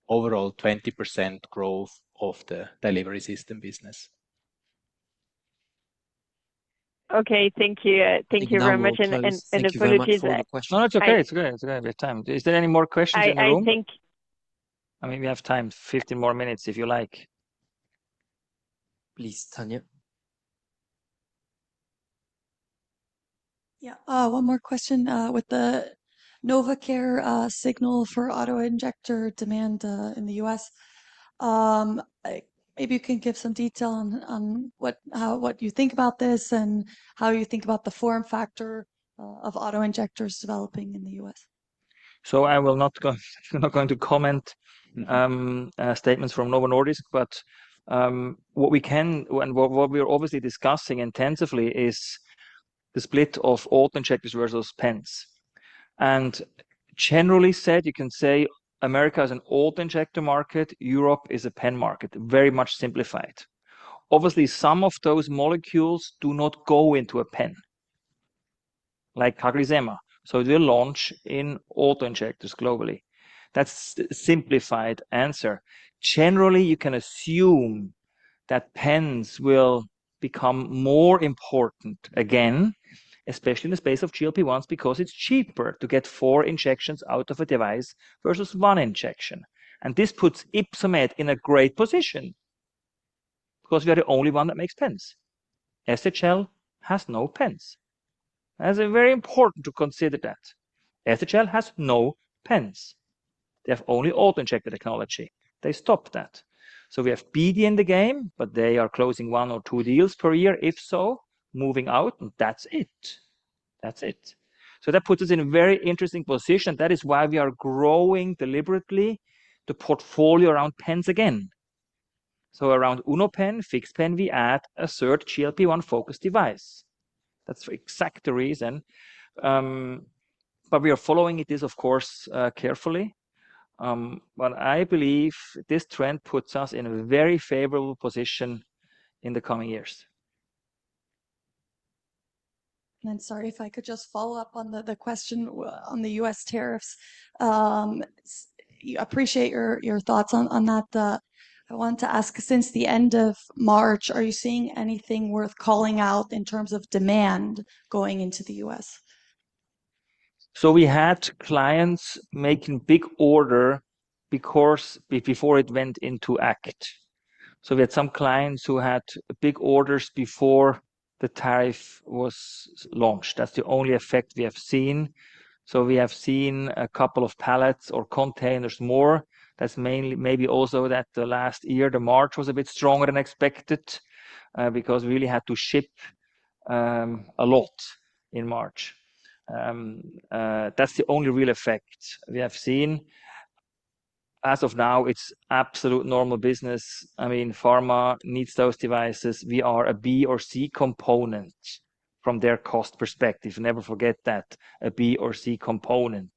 overall 20% growth of the delivery system business. Okay, thank you. Thank you very much and apologies. No, that's okay. It's good. It's good. We have time. Is there any more questions in the room? I think I mean, we have time, 15 more minutes if you like. Please, Tania. Yeah, one more question with the NovaCare signal for auto injector demand in the U.S. Maybe you can give some detail on what you think about this and how you think about the form factor of auto injectors developing in the U.S. I will not go into comment statements from Novo Nordisk, but what we can and what we're obviously discussing intensively is the split of auto injectors versus pens. Generally said, you can say America is an auto injector market, Europe is a pen market, very much simplified. Obviously, some of those molecules do not go into a pen, like CagriSema. They launch in auto-injectors globally. That is a simplified answer. Generally, you can assume that pens will become more important again, especially in the space of GLP-1s because it is cheaper to get four injections out of a device versus one injection. This puts Ypsomed in a great position because we are the only one that makes pens. SHL has no pens. That is very important to consider. SHL has no pens. They have only auto-injector technology. They stopped that. We have BD in the game, but they are closing one or two deals per year, if so, moving out, and that is it. That is it. That puts us in a very interesting position. That is why we are growing deliberately the portfolio around pens again. Around UnoPen, FixPen, we add a third GLP-1 focused device. That is for that exact reason. We are following it, of course, carefully. I believe this trend puts us in a very favorable position in the coming years. Sorry, if I could just follow up on the question on the U.S. tariffs. I appreciate your thoughts on that. I want to ask, since the end of March, are you seeing anything worth calling out in terms of demand going into the U.S.? We had clients making big orders before it went into act. We had some clients who had big orders before the tariff was launched. That is the only effect we have seen. We have seen a couple of pallets or containers more. That is mainly maybe also that last year, March was a bit stronger than expected because we really had to ship a lot in March. That is the only real effect we have seen. As of now, it's absolute normal business. I mean, pharma needs those devices. We are a B or C component from their cost perspective. Never forget that, a B or C component.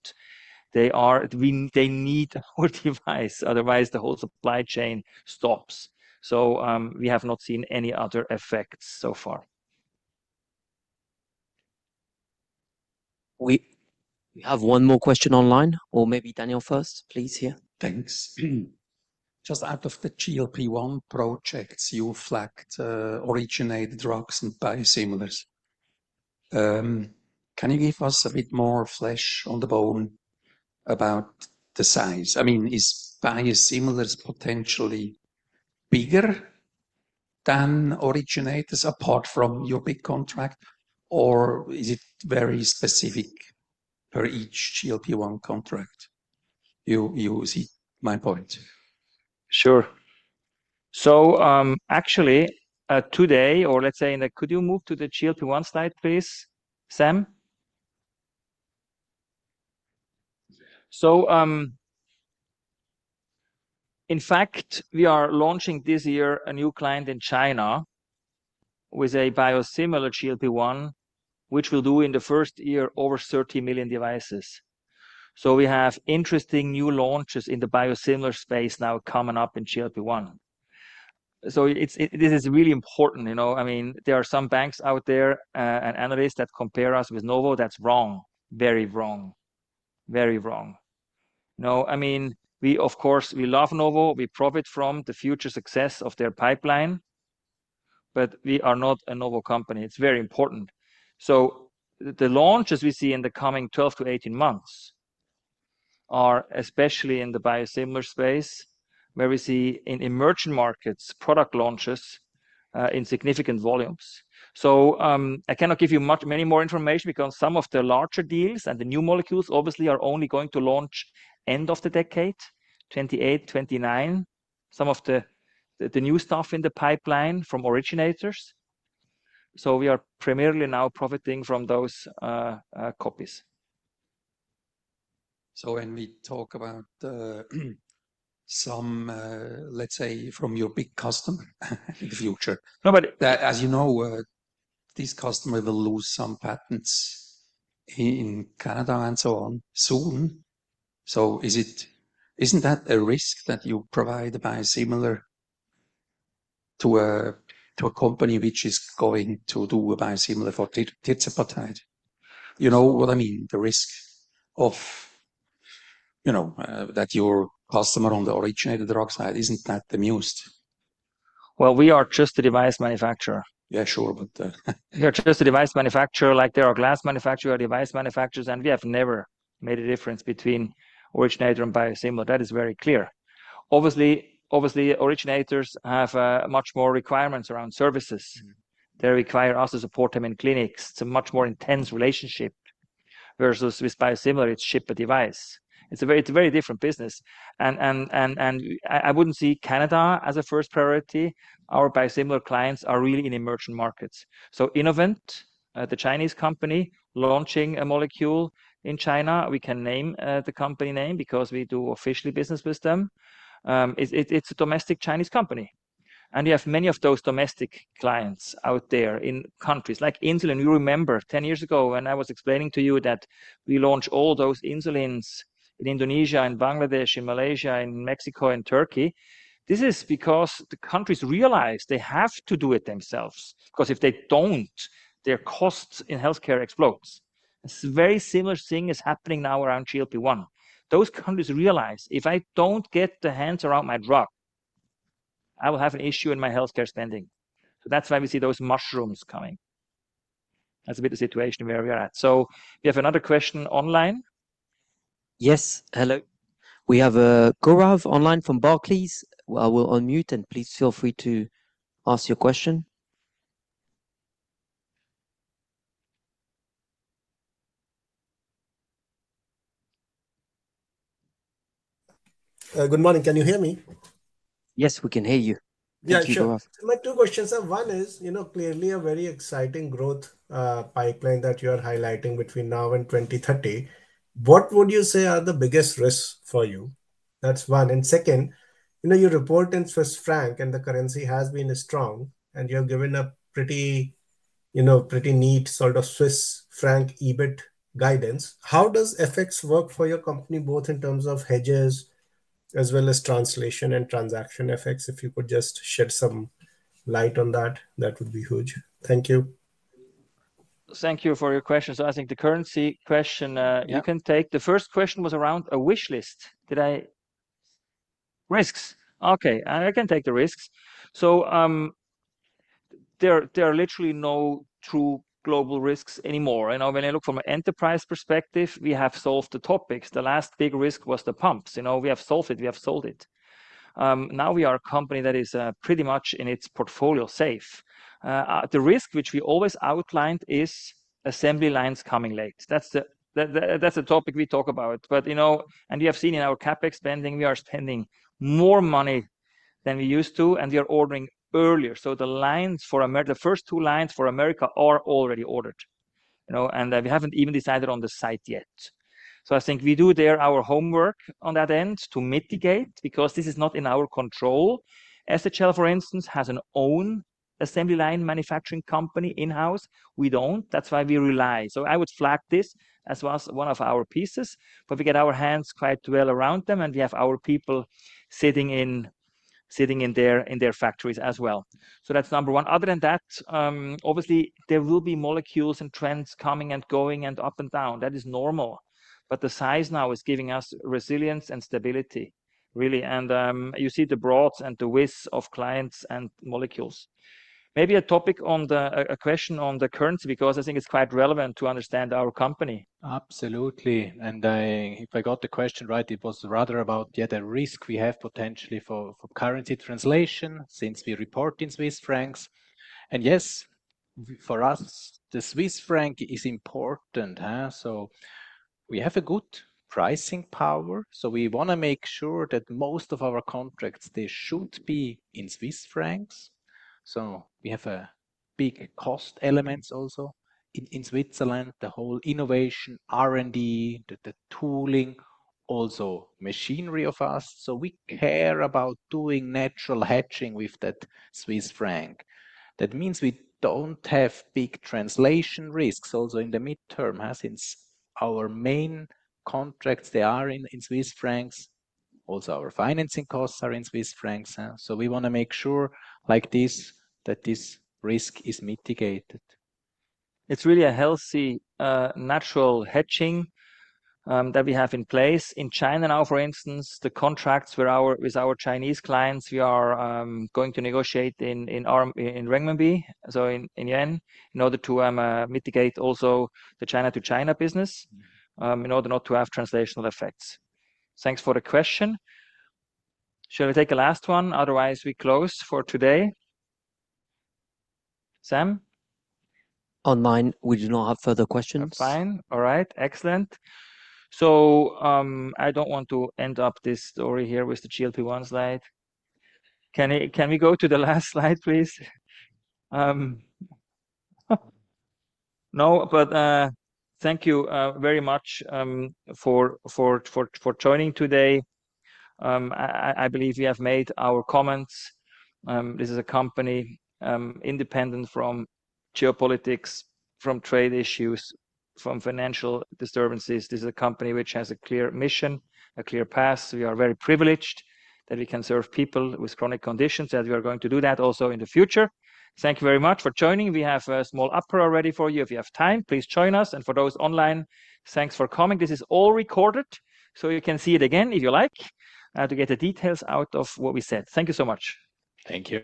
They need our device. Otherwise, the whole supply chain stops. So we have not seen any other effects so far. We have one more question online, or maybe Daniel first, please here. Thanks. Just out of the GLP-1 projects, you flagged originator drugs and biosimilars. Can you give us a bit more flesh on the bone about the size? I mean, is biosimilars potentially bigger than originators apart from your big contract, or is it very specific per each GLP-1 contract? You see my point. Sure. So actually, today, or let's say in the could you move to the GLP-1 slide, please, Sam? In fact, we are launching this year a new client in China with a biosimilar GLP-1, which will do in the first year over 30 million devices. We have interesting new launches in the biosimilar space now coming up in GLP-1. This is really important. I mean, there are some banks out there and analysts that compare us with Novo. That's wrong. Very wrong. Very wrong. I mean, we, of course, we love Novo. We profit from the future success of their pipeline. We are not a Novo company. It's very important. The launches we see in the coming 12-18 months are especially in the biosimilar space where we see in emerging markets product launches in significant volumes. I cannot give you many more information because some of the larger deals and the new molecules obviously are only going to launch end of the decade, 2028, 2029, some of the new stuff in the pipeline from originators. We are primarily now profiting from those copies. When we talk about some, let's say, from your big customer in the future, as you know, this customer will lose some patents in Canada and so on soon. Isn't that a risk that you provide a biosimilar to a company which is going to do a biosimilar for tetrapeptide? You know what I mean, the risk of that your customer on the originator drug side, isn't that the muse? We are just a device manufacturer. Yeah, sure. We are just a device manufacturer like there are glass manufacturers, device manufacturers, and we have never made a difference between originator and biosimilar. That is very clear. Obviously, originators have much more requirements around services. They require us to support them in clinics. It's a much more intense relationship versus with biosimilar. It's ship a device. It's a very different business. I wouldn't see Canada as a first priority. Our biosimilar clients are really in emerging markets. Innovent, the Chinese company launching a molecule in China, we can name the company name because we do officially business with them. It's a domestic Chinese company. You have many of those domestic clients out there in countries like insulin. You remember 10 years ago when I was explaining to you that we launch all those insulins in Indonesia, in Bangladesh, in Malaysia, in Mexico, in Turkey. This is because the countries realize they have to do it themselves. Because if they do not, their costs in healthcare explodes. It is a very similar thing that is happening now around GLP-1. Those countries realize if I do not get the hands around my drug, I will have an issue in my healthcare spending. That is why we see those mushrooms coming. That is a bit of the situation where we are at. We have another question online. Yes, hello. We have Gurav online from Barclays. I will unmute and please feel free to ask your question. Good morning. Can you hear me? Yes, we can hear you. Thank you, Gurav. My two questions are, one is clearly a very exciting growth pipeline that you are highlighting between now and 2030. What would you say are the biggest risks for you? That is one. Second, your report in Swiss franc and the currency has been strong, and you have given a pretty neat sort of Swiss franc EBIT guidance. How does FX work for your company, both in terms of hedges as well as translation and transaction FX? If you could just shed some light on that, that would be huge. Thank you. Thank you for your question. I think the currency question, you can take. The first question was around a wish list. Did I? Risks. Okay. I can take the risks. There are literally no true global risks anymore. When I look from an enterprise perspective, we have solved the topics. The last big risk was the pumps. We have solved it. We have sold it. Now we are a company that is pretty much in its portfolio safe. The risk which we always outlined is assembly lines coming late. That is the topic we talk about. You have seen in our CapEx spending, we are spending more money than we used to, and we are ordering earlier. The first two lines for America are already ordered. We have not even decided on the site yet. I think we do our homework on that end to mitigate because this is not in our control. SHL, for instance, has an own assembly line manufacturing company in-house. We do not. That is why we rely. I would flag this as one of our pieces. We get our hands quite well around them, and we have our people sitting in their factories as well. That is number one. Other than that, obviously, there will be molecules and trends coming and going and up and down. That is normal. The size now is giving us resilience and stability, really. You see the broads and the widths of clients and molecules. Maybe a question on the currency because I think it is quite relevant to understand our company. Absolutely. If I got the question right, it was rather about yet a risk we have potentially for currency translation since we report in Swiss francs. Yes, for us, the Swiss franc is important. We have a good pricing power. We want to make sure that most of our contracts, they should be in Swiss francs. We have a big cost elements also in Switzerland, the whole innovation, R&D, the tooling, also machinery of us. We care about doing natural hatching with that Swiss franc. That means we do not have big translation risks also in the midterm since our main contracts, they are in Swiss francs. Also, our financing costs are in Swiss francs. We want to make sure like this that this risk is mitigated. It is really a healthy, natural hedging that we have in place. In China now, for instance, the contracts with our Chinese clients, we are going to negotiate in RMB, so in renminbi, in order to mitigate also the China to China business in order not to have translational effects. Thanks for the question. Shall we take a last one? Otherwise, we close for today. Sam? Online, we do not have further questions. Fine. All right. Excellent. I do not want to end up this story here with the GLP-1 slide. Can we go to the last slide, please? No, but thank you very much for joining today. I believe we have made our comments. This is a company independent from geopolitics, from trade issues, from financial disturbances. This is a company which has a clear mission, a clear path. We are very privileged that we can serve people with chronic conditions, that we are going to do that also in the future. Thank you very much for joining. We have a small apero already for you. If you have time, please join us. For those online, thanks for coming. This is all recorded so you can see it again if you like to get the details out of what we said. Thank you so much. Thank you.